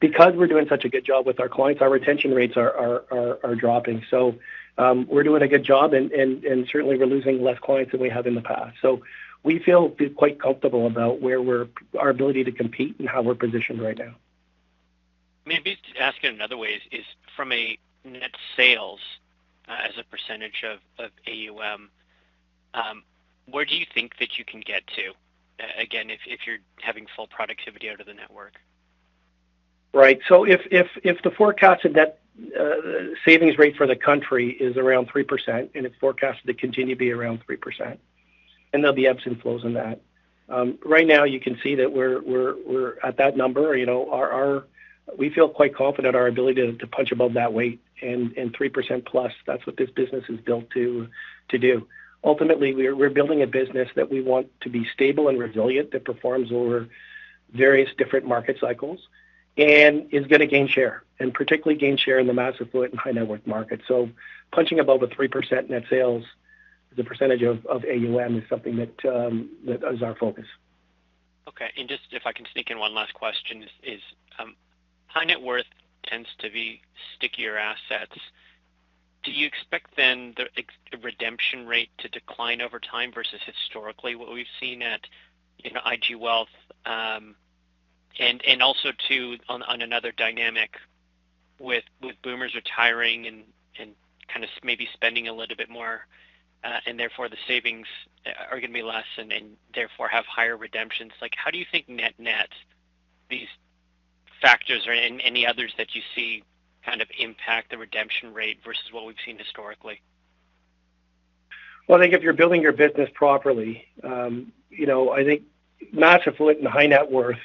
Because we're doing such a good job with our clients, our retention rates are dropping. We're doing a good job and certainly we're losing less clients than we have in the past. We feel quite comfortable about our ability to compete and how we're positioned right now. Maybe just to ask it another way, is from a net sales as a percentage of AUM where do you think that you can get to again if you're having full productivity out of the network? Right. If the forecast net savings rate for the country is around 3%, and it's forecasted to continue to be around 3%, and there'll be ebbs and flows in that. Right now you can see that we're at that number. We feel quite confident in our ability to punch above that weight and 3% plus, that's what this business is built to do. Ultimately, we're building a business that we want to be stable and resilient, that performs over various different market cycles and is going to gain share, and particularly gain share in the mass affluent and high net worth market. Punching above a 3% net sales as a percentage of AUM is something that is our focus. Okay. Just if I can sneak in one last question, high net worth tends to be stickier assets. Do you expect then the redemption rate to decline over time versus historically what we've seen at IG Wealth? Also on another dynamic with boomers retiring and kind of maybe spending a little bit more, and therefore the savings are going to be less and then therefore have higher redemptions. Like, how do you think net-net these factors or any others that you see kind of impact the redemption rate versus what we've seen historically? Well, I think if you're building your business properly, you know, I think mass affluent and high net worth,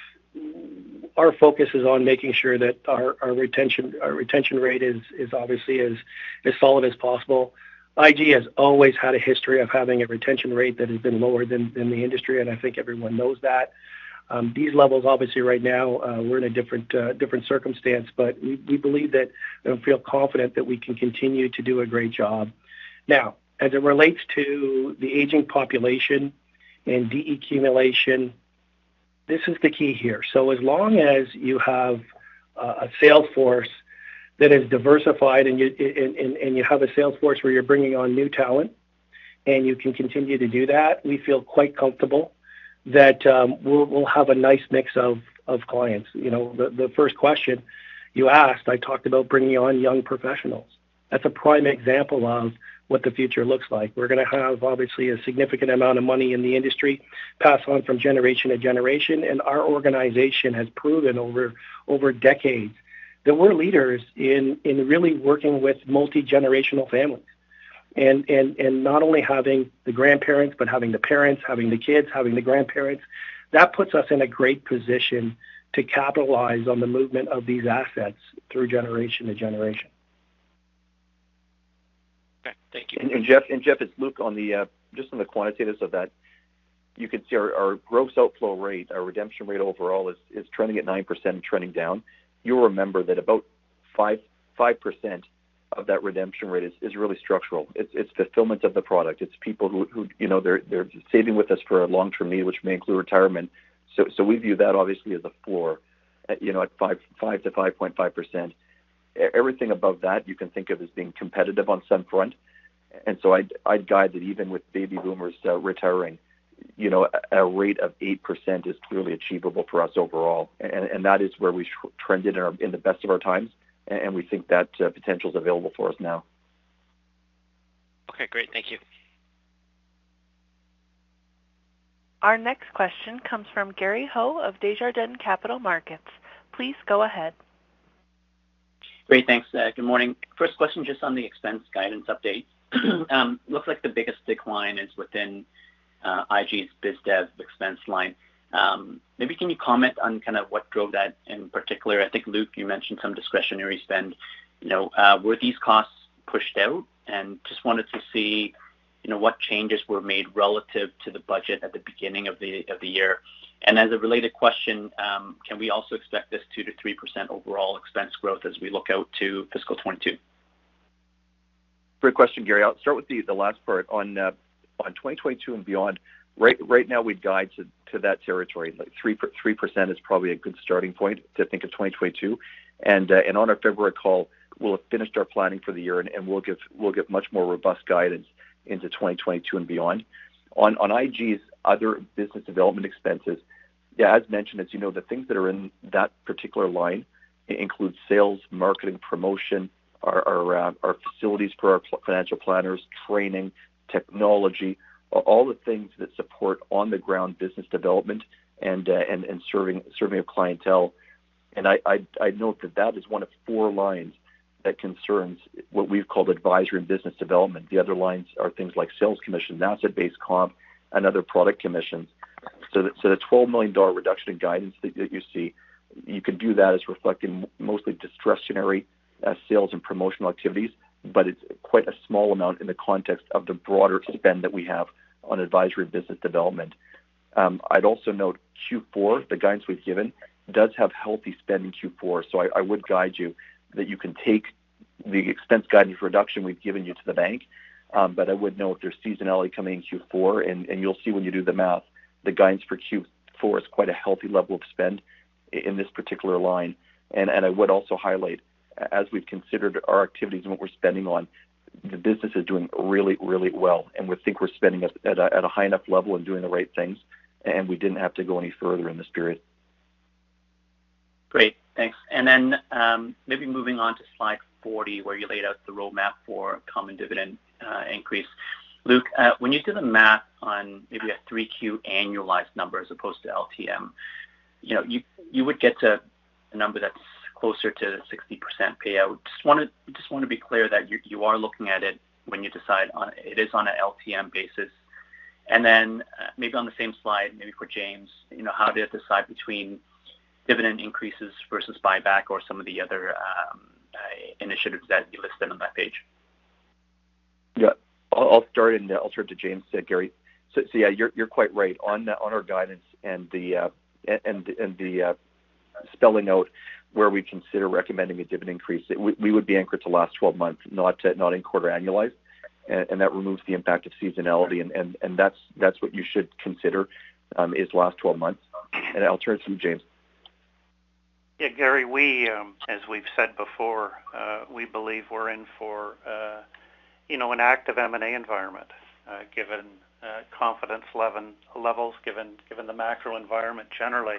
our focus is on making sure that our retention rate is obviously as solid as possible. IG has always had a history of having a retention rate that has been lower than the industry, and I think everyone knows that. These levels, obviously right now, we're in a different circumstance, but we believe that and feel confident that we can continue to do a great job. Now, as it relates to the aging population and deaccumulation, this is the key here. As long as you have a sales force that is diversified and you have a sales force where you're bringing on new talent. You can continue to do that. We feel quite comfortable that we'll have a nice mix of clients. You know, the first question you asked, I talked about bringing on young professionals. That's a prime example of what the future looks like. We're going to have, obviously, a significant amount of money in the industry pass on from generation to generation, and our organization has proven over decades that we're leaders in really working with multi-generational families, not only having the grandparents, but having the parents, having the kids, having the grandparents. That puts us in a great position to capitalize on the movement of these assets through generation to generation. Okay. Thank you. Jeff, it's Luke. Just on the quantitative so that you can see our gross outflow rate, our redemption rate overall is trending at 9% and trending down. You'll remember that about 5% of that redemption rate is really structural. It's fulfillment of the product. It's people who you know, they're saving with us for a long-term need, which may include retirement. We view that obviously as a floor, you know, at 5%-5.5%. Everything above that you can think of as being competitive on some front. I'd guide that even with baby boomers retiring, you know, a rate of 8% is clearly achievable for us overall. that is where we trended in the best of our times, and we think that potential is available for us now. Okay, great. Thank you. Our next question comes from Gary Ho of Desjardins Capital Markets. Please go ahead. Great. Thanks. Good morning. First question, just on the expense guidance update. Looks like the biggest decline is within IG's biz dev expense line. Maybe can you comment on kind of what drove that in particular? I think, Luke, you mentioned some discretionary spend. You know, were these costs pushed out? Just wanted to see, you know, what changes were made relative to the budget at the beginning of the year. As a related question, can we also expect this 2%-3% overall expense growth as we look out to fiscal 2022? Great question, Gary. I'll start with the last part. On 2022 and beyond, right now we'd guide to that territory. Like 3% is probably a good starting point to think of 2022. In our February call, we'll have finished our planning for the year, and we'll give much more robust guidance into 2022 and beyond. On IG's other business development expenses. Yeah. As mentioned, as you know, the things that are in that particular line includes sales, marketing, promotion, our facilities for our financial planners, training, technology, all the things that support on-the-ground business development and serving our clientele. I'd note that that is one of four lines that concerns what we've called advisory and business development. The other lines are things like sales commission, asset-based comp, and other product commissions. The 12 million dollar reduction in guidance you see, you can view that as reflecting mostly discretionary sales and promotional activities, but it's quite a small amount in the context of the broader spend that we have on advisory business development. I'd also note Q4, the guidance we've given does have healthy spend in Q4, so I would guide you that you can take the expense guidance reduction we've given you to the bank. I would note there's seasonality coming in Q4, and you'll see when you do the math, the guidance for Q4 is quite a healthy level of spend in this particular line. I would also highlight, as we've considered our activities and what we're spending on, the business is doing really, really well, and we think we're spending at a high enough level and doing the right things, and we didn't have to go any further in this period. Great. Thanks. Maybe moving on to slide 40, where you laid out the roadmap for common dividend increase. Luke, when you do the math on maybe a 3Q annualized number as opposed to LTM, you know, you would get to a number that's closer to 60% payout. Just want to be clear that you are looking at it when you decide on it is on an LTM basis. Maybe on the same slide, maybe for James, you know, how do you decide between dividend increases versus buyback or some of the other initiatives that you listed on that page? Yeah. I'll start and I'll turn to James there, Gary. Yeah, you're quite right. On our guidance and the spelling out where we consider recommending a dividend increase, we would be anchored to last 12 months, not to a quarter annualized. That removes the impact of seasonality, and that's what you should consider is last 12 months. I'll turn it to James. Yeah, Gary, as we've said before, we believe we're in for, you know, an active M&A environment, given confidence levels, given the macro environment generally.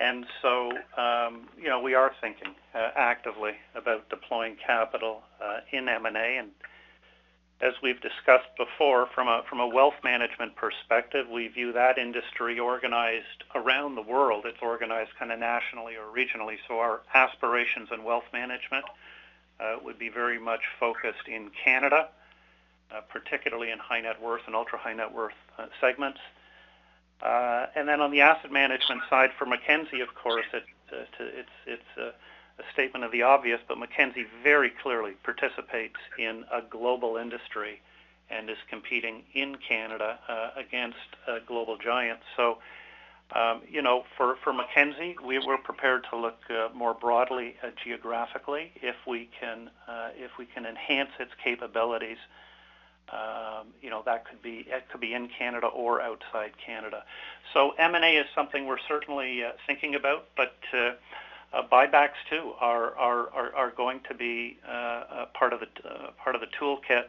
You know, we are thinking actively about deploying capital in M&A. As we've discussed before from a wealth management perspective, we view that industry organized around the world. It's organized kind of nationally or regionally. Our aspirations in wealth management would be very much focused in Canada, particularly in high net worth and ultra-high net worth segments. On the asset management side, for Mackenzie, of course, it's a statement of the obvious, but Mackenzie very clearly participates in a global industry and is competing in Canada against global giants. You know, for Mackenzie, we're prepared to look more broadly, geographically. If we can enhance its capabilities, that could be in Canada or outside Canada. M&A is something we're certainly thinking about, but buybacks too are going to be a part of the toolkit.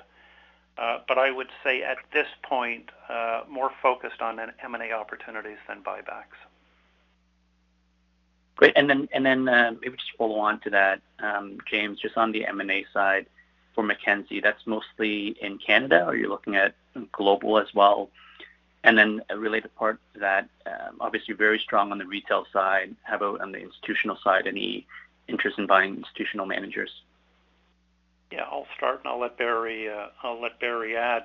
I would say at this point, more focused on an M&A opportunities than buybacks. Great. Maybe just follow on to that, James, just on the M&A side for Mackenzie, that's mostly in Canada, or you're looking at global as well? A related part to that, obviously very strong on the retail side. How about on the institutional side, any interest in buying institutional managers? I'll start, and I'll let Barry add.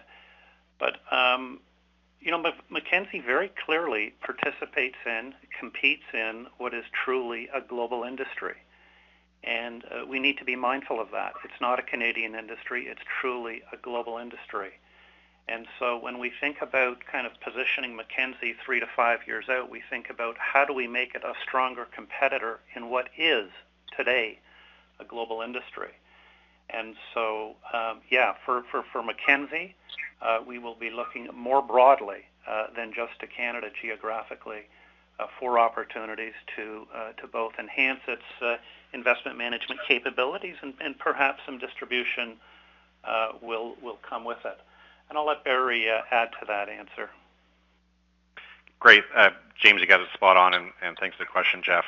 You know, Mackenzie very clearly participates in, competes in what is truly a global industry, and we need to be mindful of that. It's not a Canadian industry, it's truly a global industry. When we think about kind of positioning Mackenzie three to five years out, we think about how do we make it a stronger competitor in what is today a global industry. For Mackenzie- Sure. We will be looking more broadly than just to Canada geographically for opportunities to both enhance its investment management capabilities and perhaps some distribution will come with it. I'll let Barry add to that answer. Great. James, you got it spot on, and thanks for the question, Jeff.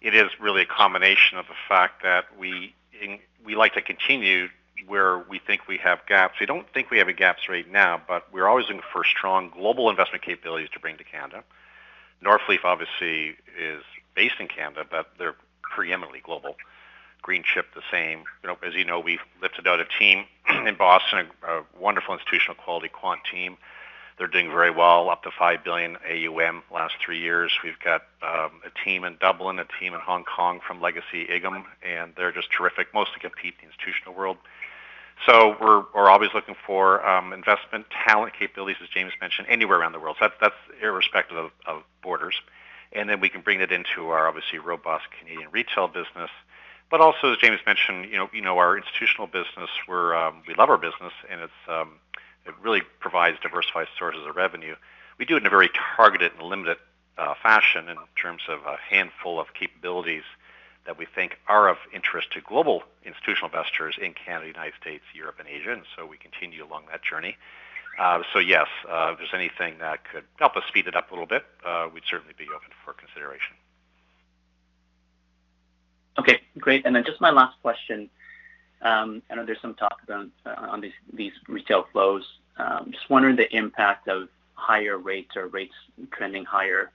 It is really a combination of the fact that we like to continue where we think we have gaps. We don't think we have gaps right now, but we're always looking for strong global investment capabilities to bring to Canada. Northleaf obviously is based in Canada, but they're preeminently global. Greenchip, the same. You know, as you know, we've lifted out a team in Boston, a wonderful institutional quality quant team. They're doing very well, up to 5 billion AUM last three years. We've got a team in Dublin, a team in Hong Kong from legacy I.G. Investment Management, and they're just terrific, mostly compete in the institutional world. We're always looking for investment talent capabilities, as James mentioned, anywhere around the world. That's irrespective of borders. Then we can bring that into our obviously robust Canadian retail business. Also, as James mentioned, you know, our institutional business, we love our business, and it really provides diversified sources of revenue. We do it in a very targeted and limited fashion in terms of a handful of capabilities that we think are of interest to global institutional investors in Canada, United States, Europe and Asia. We continue along that journey. Yes, if there's anything that could help us speed it up a little bit, we'd certainly be open for consideration. Okay, great. Just my last question, I know there's some talk around on these retail flows. Just wondering the impact of higher rates or rates trending higher.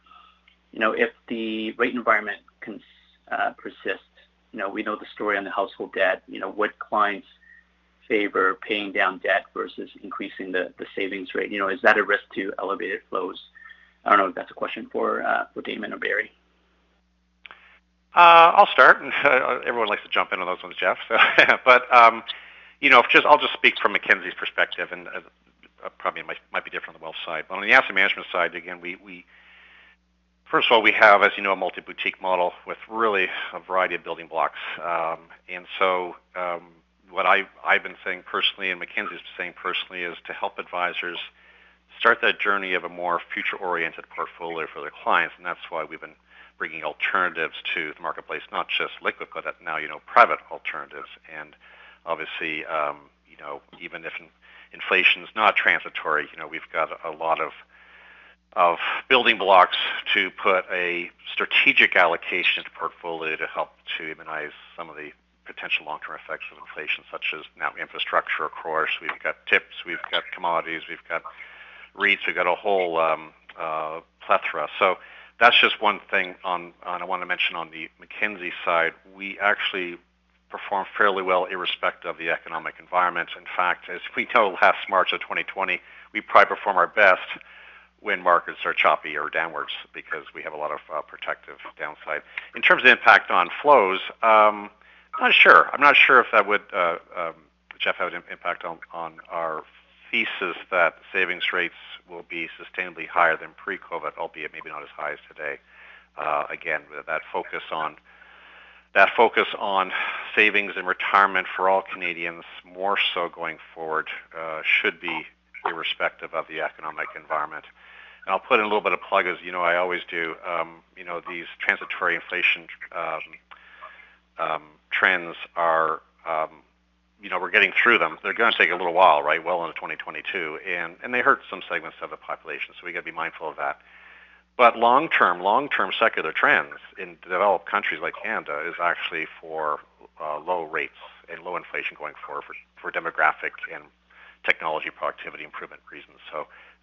You know, if the rate environment persists, you know, we know the story on the household debt. You know, would clients favor paying down debt versus increasing the savings rate? You know, is that a risk to elevated flows? I don't know if that's a question for Damon or Barry. I'll start. Everyone likes to jump in on those ones, Jeff. You know, I'll just speak from Mackenzie's perspective and probably might be different on the wealth side. On the asset management side, again, first of all, we have, as you know, a multi-boutique model with really a variety of building blocks. What I've been saying personally and Mackenzie's been saying personally is to help advisors start that journey of a more future-oriented portfolio for their clients. That's why we've been bringing alternatives to the marketplace, not just liquid, but now, you know, private alternatives. Obviously, you know, even if inflation is not transitory, you know, we've got a lot of building blocks to put a strategic allocation to portfolio to help to minimize some of the potential long-term effects of inflation, such as infrastructure, of course, we've got TIPS, we've got commodities, we've got REITs, we've got a whole plethora. That's just one thing on, and I want to mention on the Mackenzie side. We actually perform fairly well irrespective of the economic environment. In fact, as we know, last March of 2020, we probably perform our best when markets are choppy or downwards because we have a lot of protective downside. In terms of impact on flows, I'm not sure. I'm not sure if that would, Jeff, have an impact on our thesis that savings rates will be sustainably higher than pre-COVID, albeit maybe not as high as today. Again, with that focus on savings and retirement for all Canadians, more so going forward, should be irrespective of the economic environment. I'll put in a little bit of plug, as you know I always do. You know, these transitory inflation trends are, you know, we're getting through them. They're going to take a little while, right, well into 2022. They hurt some segments of the population, so we got to be mindful of that. Long-term secular trends in developed countries like Canada is actually for low rates and low inflation going forward for demographics and technology productivity improvement reasons.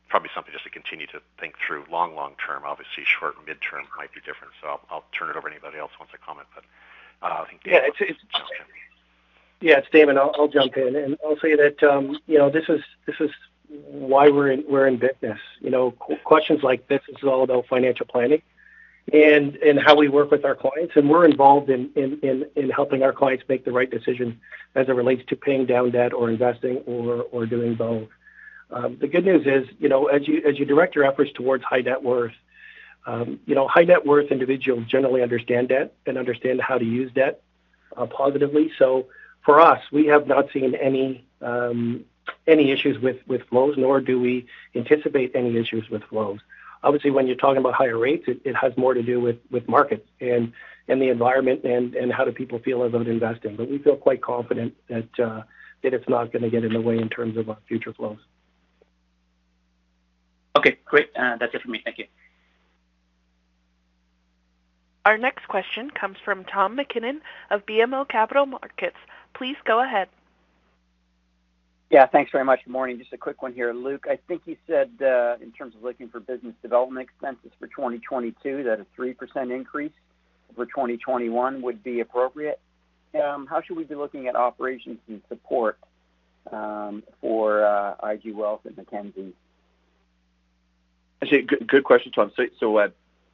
Probably something just to continue to think through long, long term. Obviously, short and midterm might be different. I'll turn it over to anybody else who wants to comment, but. Yeah, it's. Oh, sorry. Yeah, it's Damon. I'll jump in, and I'll say that, you know, this is why we're in business. You know, questions like this is all about financial planning and how we work with our clients, and we're involved in helping our clients make the right decision as it relates to paying down debt or investing or doing both. The good news is, you know, as you direct your efforts towards high net worth, you know, high net worth individuals generally understand debt and understand how to use debt, positively. For us, we have not seen any issues with flows, nor do we anticipate any issues with flows. Obviously, when you're talking about higher rates, it has more to do with markets and the environment and how do people feel about investing. We feel quite confident that it's not going to get in the way in terms of future flows. Okay, great. That's it for me. Thank you. Our next question comes from Tom MacKinnon of BMO Capital Markets. Please go ahead. Yeah. Thanks very much. Morning. Just a quick one here. Luke, I think you said, in terms of looking for business development expenses for 2022, that a 3% increase over 2021 would be appropriate. How should we be looking at operations and support for IG Wealth at Mackenzie? I'd say good question, Tom.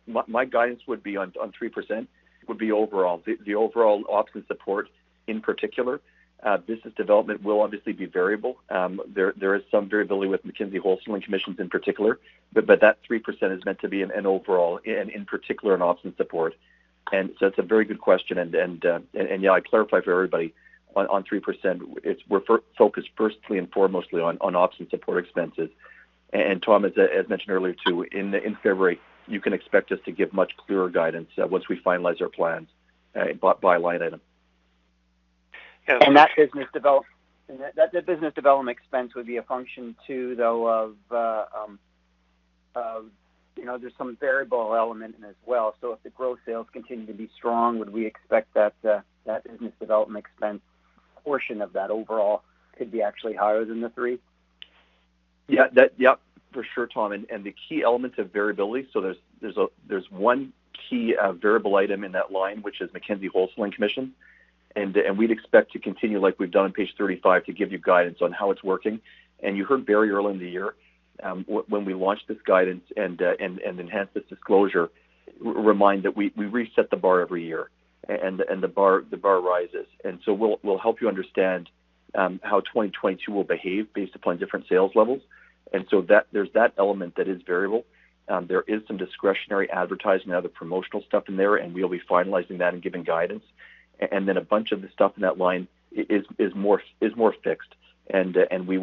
My guidance would be on 3% would be overall. The overall ops and support in particular, business development will obviously be variable. There is some variability with Mackenzie wholesaling commissions in particular, but that 3% is meant to be an overall and in particular an ops and support. That's a very good question. Yeah, I clarify for everybody on 3%, it's we're first and foremost focused on ops and support expenses. Tom, as mentioned earlier, too, in February, you can expect us to give much clearer guidance once we finalize our plans by line item. That business development expense would be a function too, though, of you know, just some variable element in it as well. If the growth sales continue to be strong, would we expect that business development expense portion of that overall could be actually higher than the three? Yeah. Yep, for sure, Tom. The key elements of variability, so there's one key variable item in that line, which is Mackenzie wholesaling commission. We'd expect to continue like we've done on page 35 to give you guidance on how it's working. You heard very early in the year, when we launched this guidance and enhanced this disclosure remind that we reset the bar every year, and the bar rises. We'll help you understand how 2022 will behave based upon different sales levels. There's that element that is variable. There is some discretionary advertising, other promotional stuff in there, and we'll be finalizing that and giving guidance. Then a bunch of the stuff in that line is more fixed. We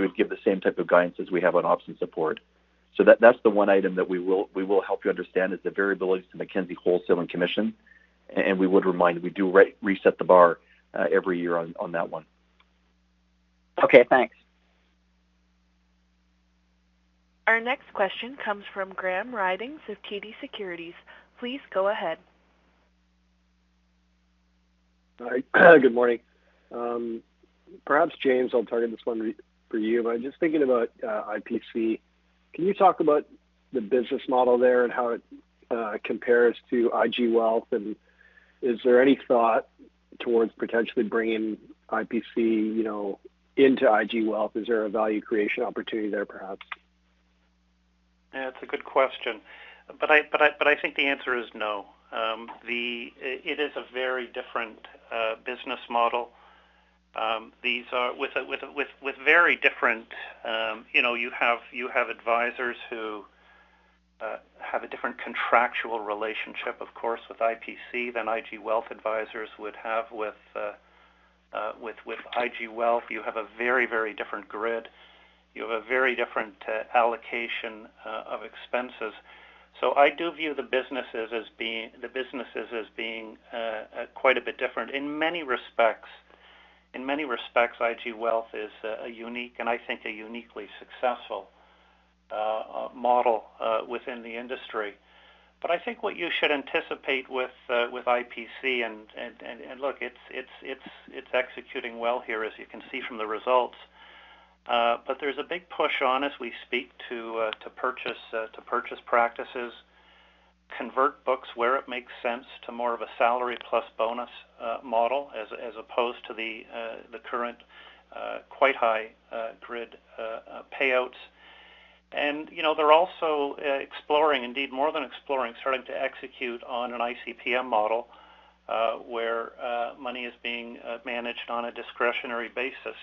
would give the same type of guidance as we have on ops and support. That's the one item that we will help you understand is the variability to Mackenzie wholesaling commission. We would remind we do reset the bar every year on that one. Okay, thanks. Our next question comes from Graham Ryding of TD Securities. Please go ahead. All right. Good morning. Perhaps James, I'll target this one for you. Just thinking about IPC, can you talk about the business model there and how it compares to IG Wealth? Is there any thought towards potentially bringing IPC, you know, into IG Wealth? Is there a value creation opportunity there, perhaps? Yeah, it's a good question. I think the answer is no. It is a very different business model. These are with very different, you know, you have advisors who have a different contractual relationship, of course, with IPC than IG Wealth Advisors would have with IG Wealth. You have a very different grid. You have a very different allocation of expenses. I do view the businesses as being quite a bit different. In many respects, IG Wealth is a unique and I think a uniquely successful model within the industry. I think what you should anticipate with IPC and look, it's executing well here as you can see from the results. There's a big push on as we speak to purchase practices, convert books where it makes sense to more of a salary plus bonus model as opposed to the current quite high grid payouts. You know, they're also exploring, indeed more than exploring, starting to execute on an ICPM model, where money is being managed on a discretionary basis.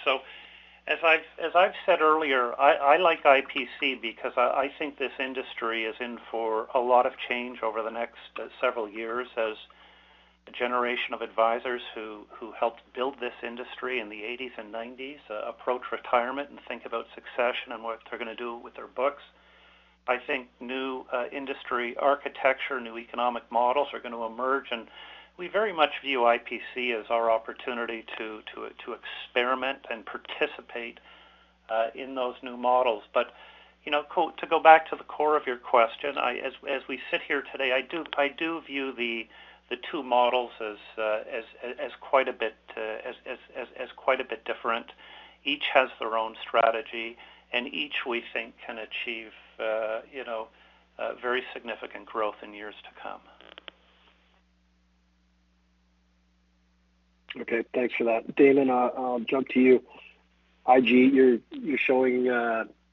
As I've said earlier, I like IPC because I think this industry is in for a lot of change over the next several years as a generation of advisors who helped build this industry in the eighties and nineties approach retirement and think about succession and what they're going to do with their books. I think new industry architecture, new economic models are going to emerge, and we very much view IPC as our opportunity to experiment and participate in those new models. You know, to go back to the core of your question, as we sit here today, I do view the two models as quite a bit different. Each has their own strategy, and each we think can achieve, you know, very significant growth in years to come. Okay, thanks for that. Damon, I'll jump to you. IG, you're showing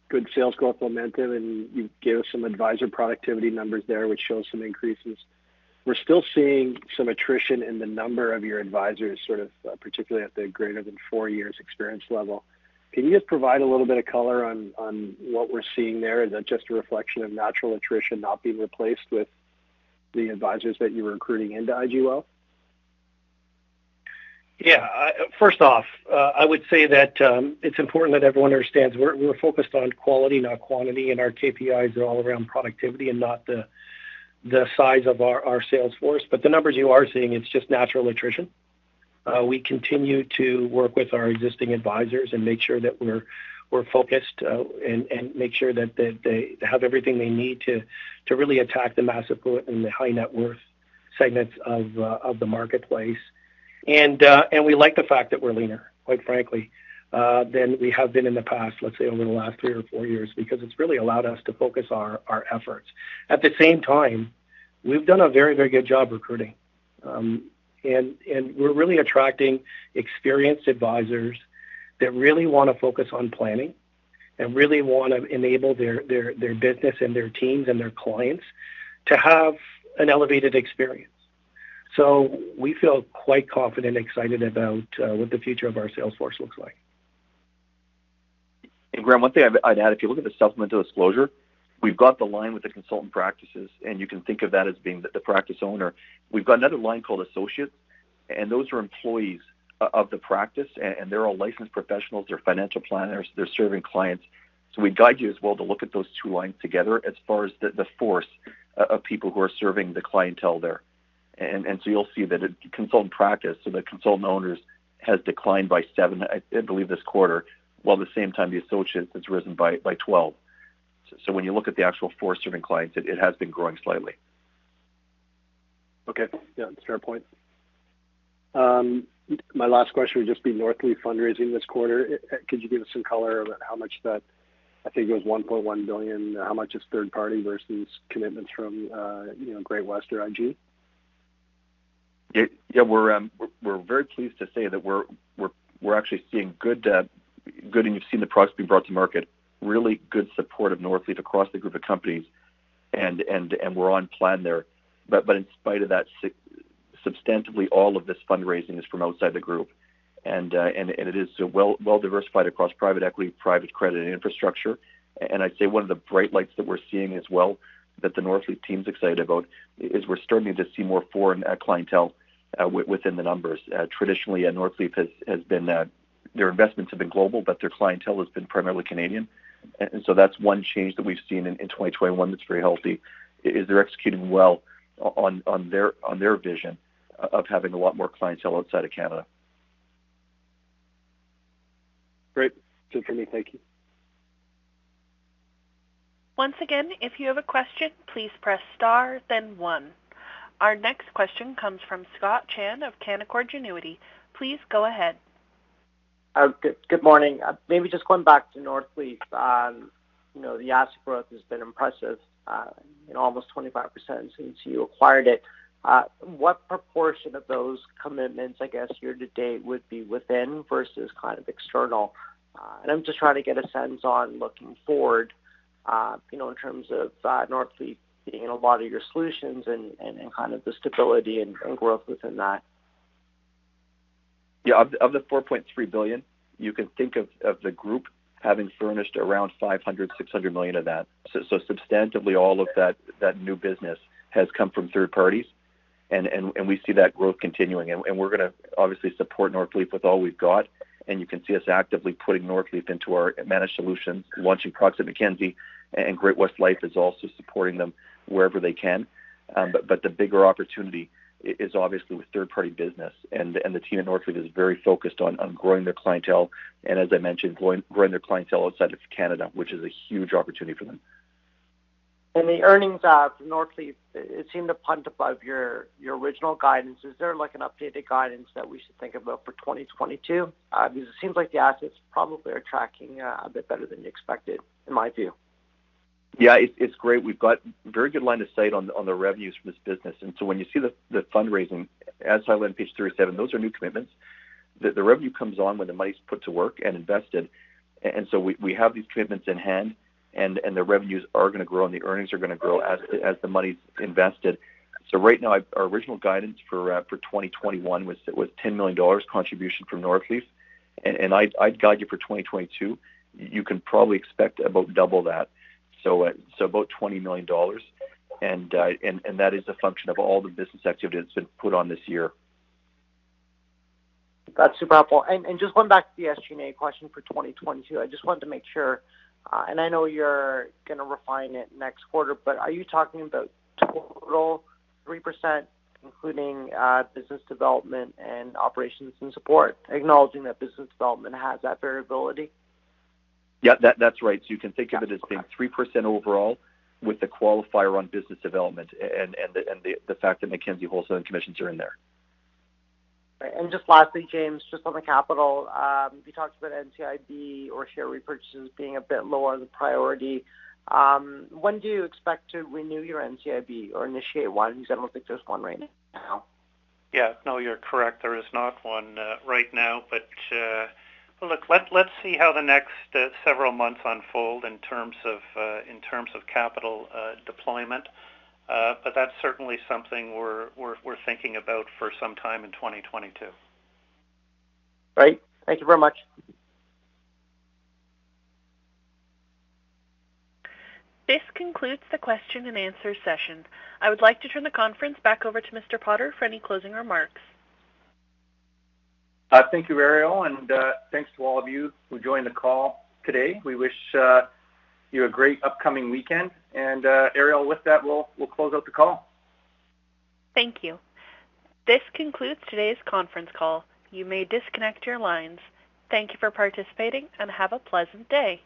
good sales growth momentum, and you gave us some advisor productivity numbers there, which show some increases. We're still seeing some attrition in the number of your advisors, sort of particularly at the greater than four years experience level. Can you just provide a little bit of color on what we're seeing there? Is that just a reflection of natural attrition not being replaced with the advisors that you were recruiting into IG Wealth? Yeah. First off, I would say that it's important that everyone understands we're focused on quality, not quantity, and our KPIs are all around productivity and not the size of our sales force. The numbers you are seeing. It's just natural attrition. We continue to work with our existing advisors and make sure that we're focused, and make sure that they have everything they need to really attack the massive growth in the high net worth segments of the marketplace. We like the fact that we're leaner, quite frankly, than we have been in the past, let's say over the last three or four years, because it's really allowed us to focus our efforts. At the same time, we've done a very good job recruiting. We're really attracting experienced advisors that really want to focus on planning and really want to enable their business and their teams and their clients to have an elevated experience. We feel quite confident and excited about what the future of our sales force looks like. Graham, one thing I'd add, if you look at the supplemental disclosure, we've got the line with the consultant practices, and you can think of that as being the practice owner. We've got another line called associates, and those are employees of the practice and they're all licensed professionals. They're financial planners. They're serving clients. We'd guide you as well to look at those two lines together as far as the force of people who are serving the clientele there. So you'll see that a consultant practice, so the consultant owners has declined by 7, I believe, this quarter, while at the same time the associates has risen by 12. When you look at the actual force serving clients, it has been growing slightly. Okay. Yeah, fair point. My last question would just be Northleaf fundraising this quarter. Could you give us some color about how much that I think it was 1.1 billion. How much is third party versus commitments from Great-West or IG? Yeah, we're very pleased to say that we're actually seeing good, and you've seen the products being brought to market, really good support of Northleaf across the group of companies. We're on plan there. In spite of that, substantively all of this fundraising is from outside the group. It is well diversified across private equity, private credit, and infrastructure. I'd say one of the bright lights that we're seeing as well that the Northleaf team's excited about is we're starting to see more foreign clientele within the numbers. Traditionally, Northleaf has been. Their investments have been global, but their clientele has been primarily Canadian. That's one change that we've seen in 2021 that's very healthy, [they're executing well on their vision of having a lot more clientele outside of Canada. Great. Thanks, Jimmy. Thank you. Once again, if you have a question, please press star then one. Our next question comes from Scott Chan of Canaccord Genuity. Please go ahead. Good morning. Maybe just going back to Northleaf. You know, the asset growth has been impressive, almost 25% since you acquired it. What proportion of those commitments, I guess, year to date would be within versus kind of external? I'm just trying to get a sense on looking forward, you know, in terms of Northleaf being a lot of your solutions and kind of the stability and growth within that. Yeah. Of the 4.3 billion, you can think of the group having furnished around 500 million-600 million of that. Substantively all of that new business has come from third parties, and we see that growth continuing. We're going to obviously support Northleaf with all we've got, and you can see us actively putting Northleaf into our managed solutions, launching products at Mackenzie, and Great-West Lifeco is also supporting them wherever they can. The bigger opportunity is obviously with third-party business. The team at Northleaf is very focused on growing their clientele, and as I mentioned, growing their clientele outside of Canada, which is a huge opportunity for them. In the earnings of Northleaf, it seemed to come in above your original guidance. Is there like an updated guidance that we should think about for 2022? Because it seems like the assets probably are tracking a bit better than you expected, in my view. Yeah. It's great. We've got very good line of sight on the revenues from this business. When you see the fundraising, as outlined in page 370, those are new commitments. The revenue comes on when the money's put to work and invested. We have these commitments in hand, and the revenues are going to grow and the earnings are going to grow as the money's invested. Right now our original guidance for 2021 was 10 million dollars contribution from Northleaf. I'd guide you for 2022. You can probably expect about double that, about 20 million dollars. That is a function of all the business activity that's been put on this year. That's super helpful. Just going back to the SG&A question for 2022. I just wanted to make sure, and I know you're going to refine it next quarter, but are you talking about total 3%, including business development and operations and support, acknowledging that business development has that variability? Yeah. That's right. You can think of it as being 3% overall with the qualifier on business development and the fact that Mackenzie wholesale and commissions are in there. Just lastly, James, just on the capital, you talked about NCIB or share repurchases being a bit lower on the priority. When do you expect to renew your NCIB or initiate one? Because I don't think there's one right now. Yeah. No, you're correct. There is not one right now. Look, let's see how the next several months unfold in terms of capital deployment. That's certainly something we're thinking about for some time in 2022. Great. Thank you very much. This concludes the question and answer session. I would like to turn the conference back over to Mr. Potter for any closing remarks. Thank you, Ariel, and thanks to all of you who joined the call today. We wish you a great upcoming weekend. Ariel, with that, we'll close out the call. Thank you. This concludes today's conference call. You may disconnect your lines. Thank you for participating, and have a pleasant day.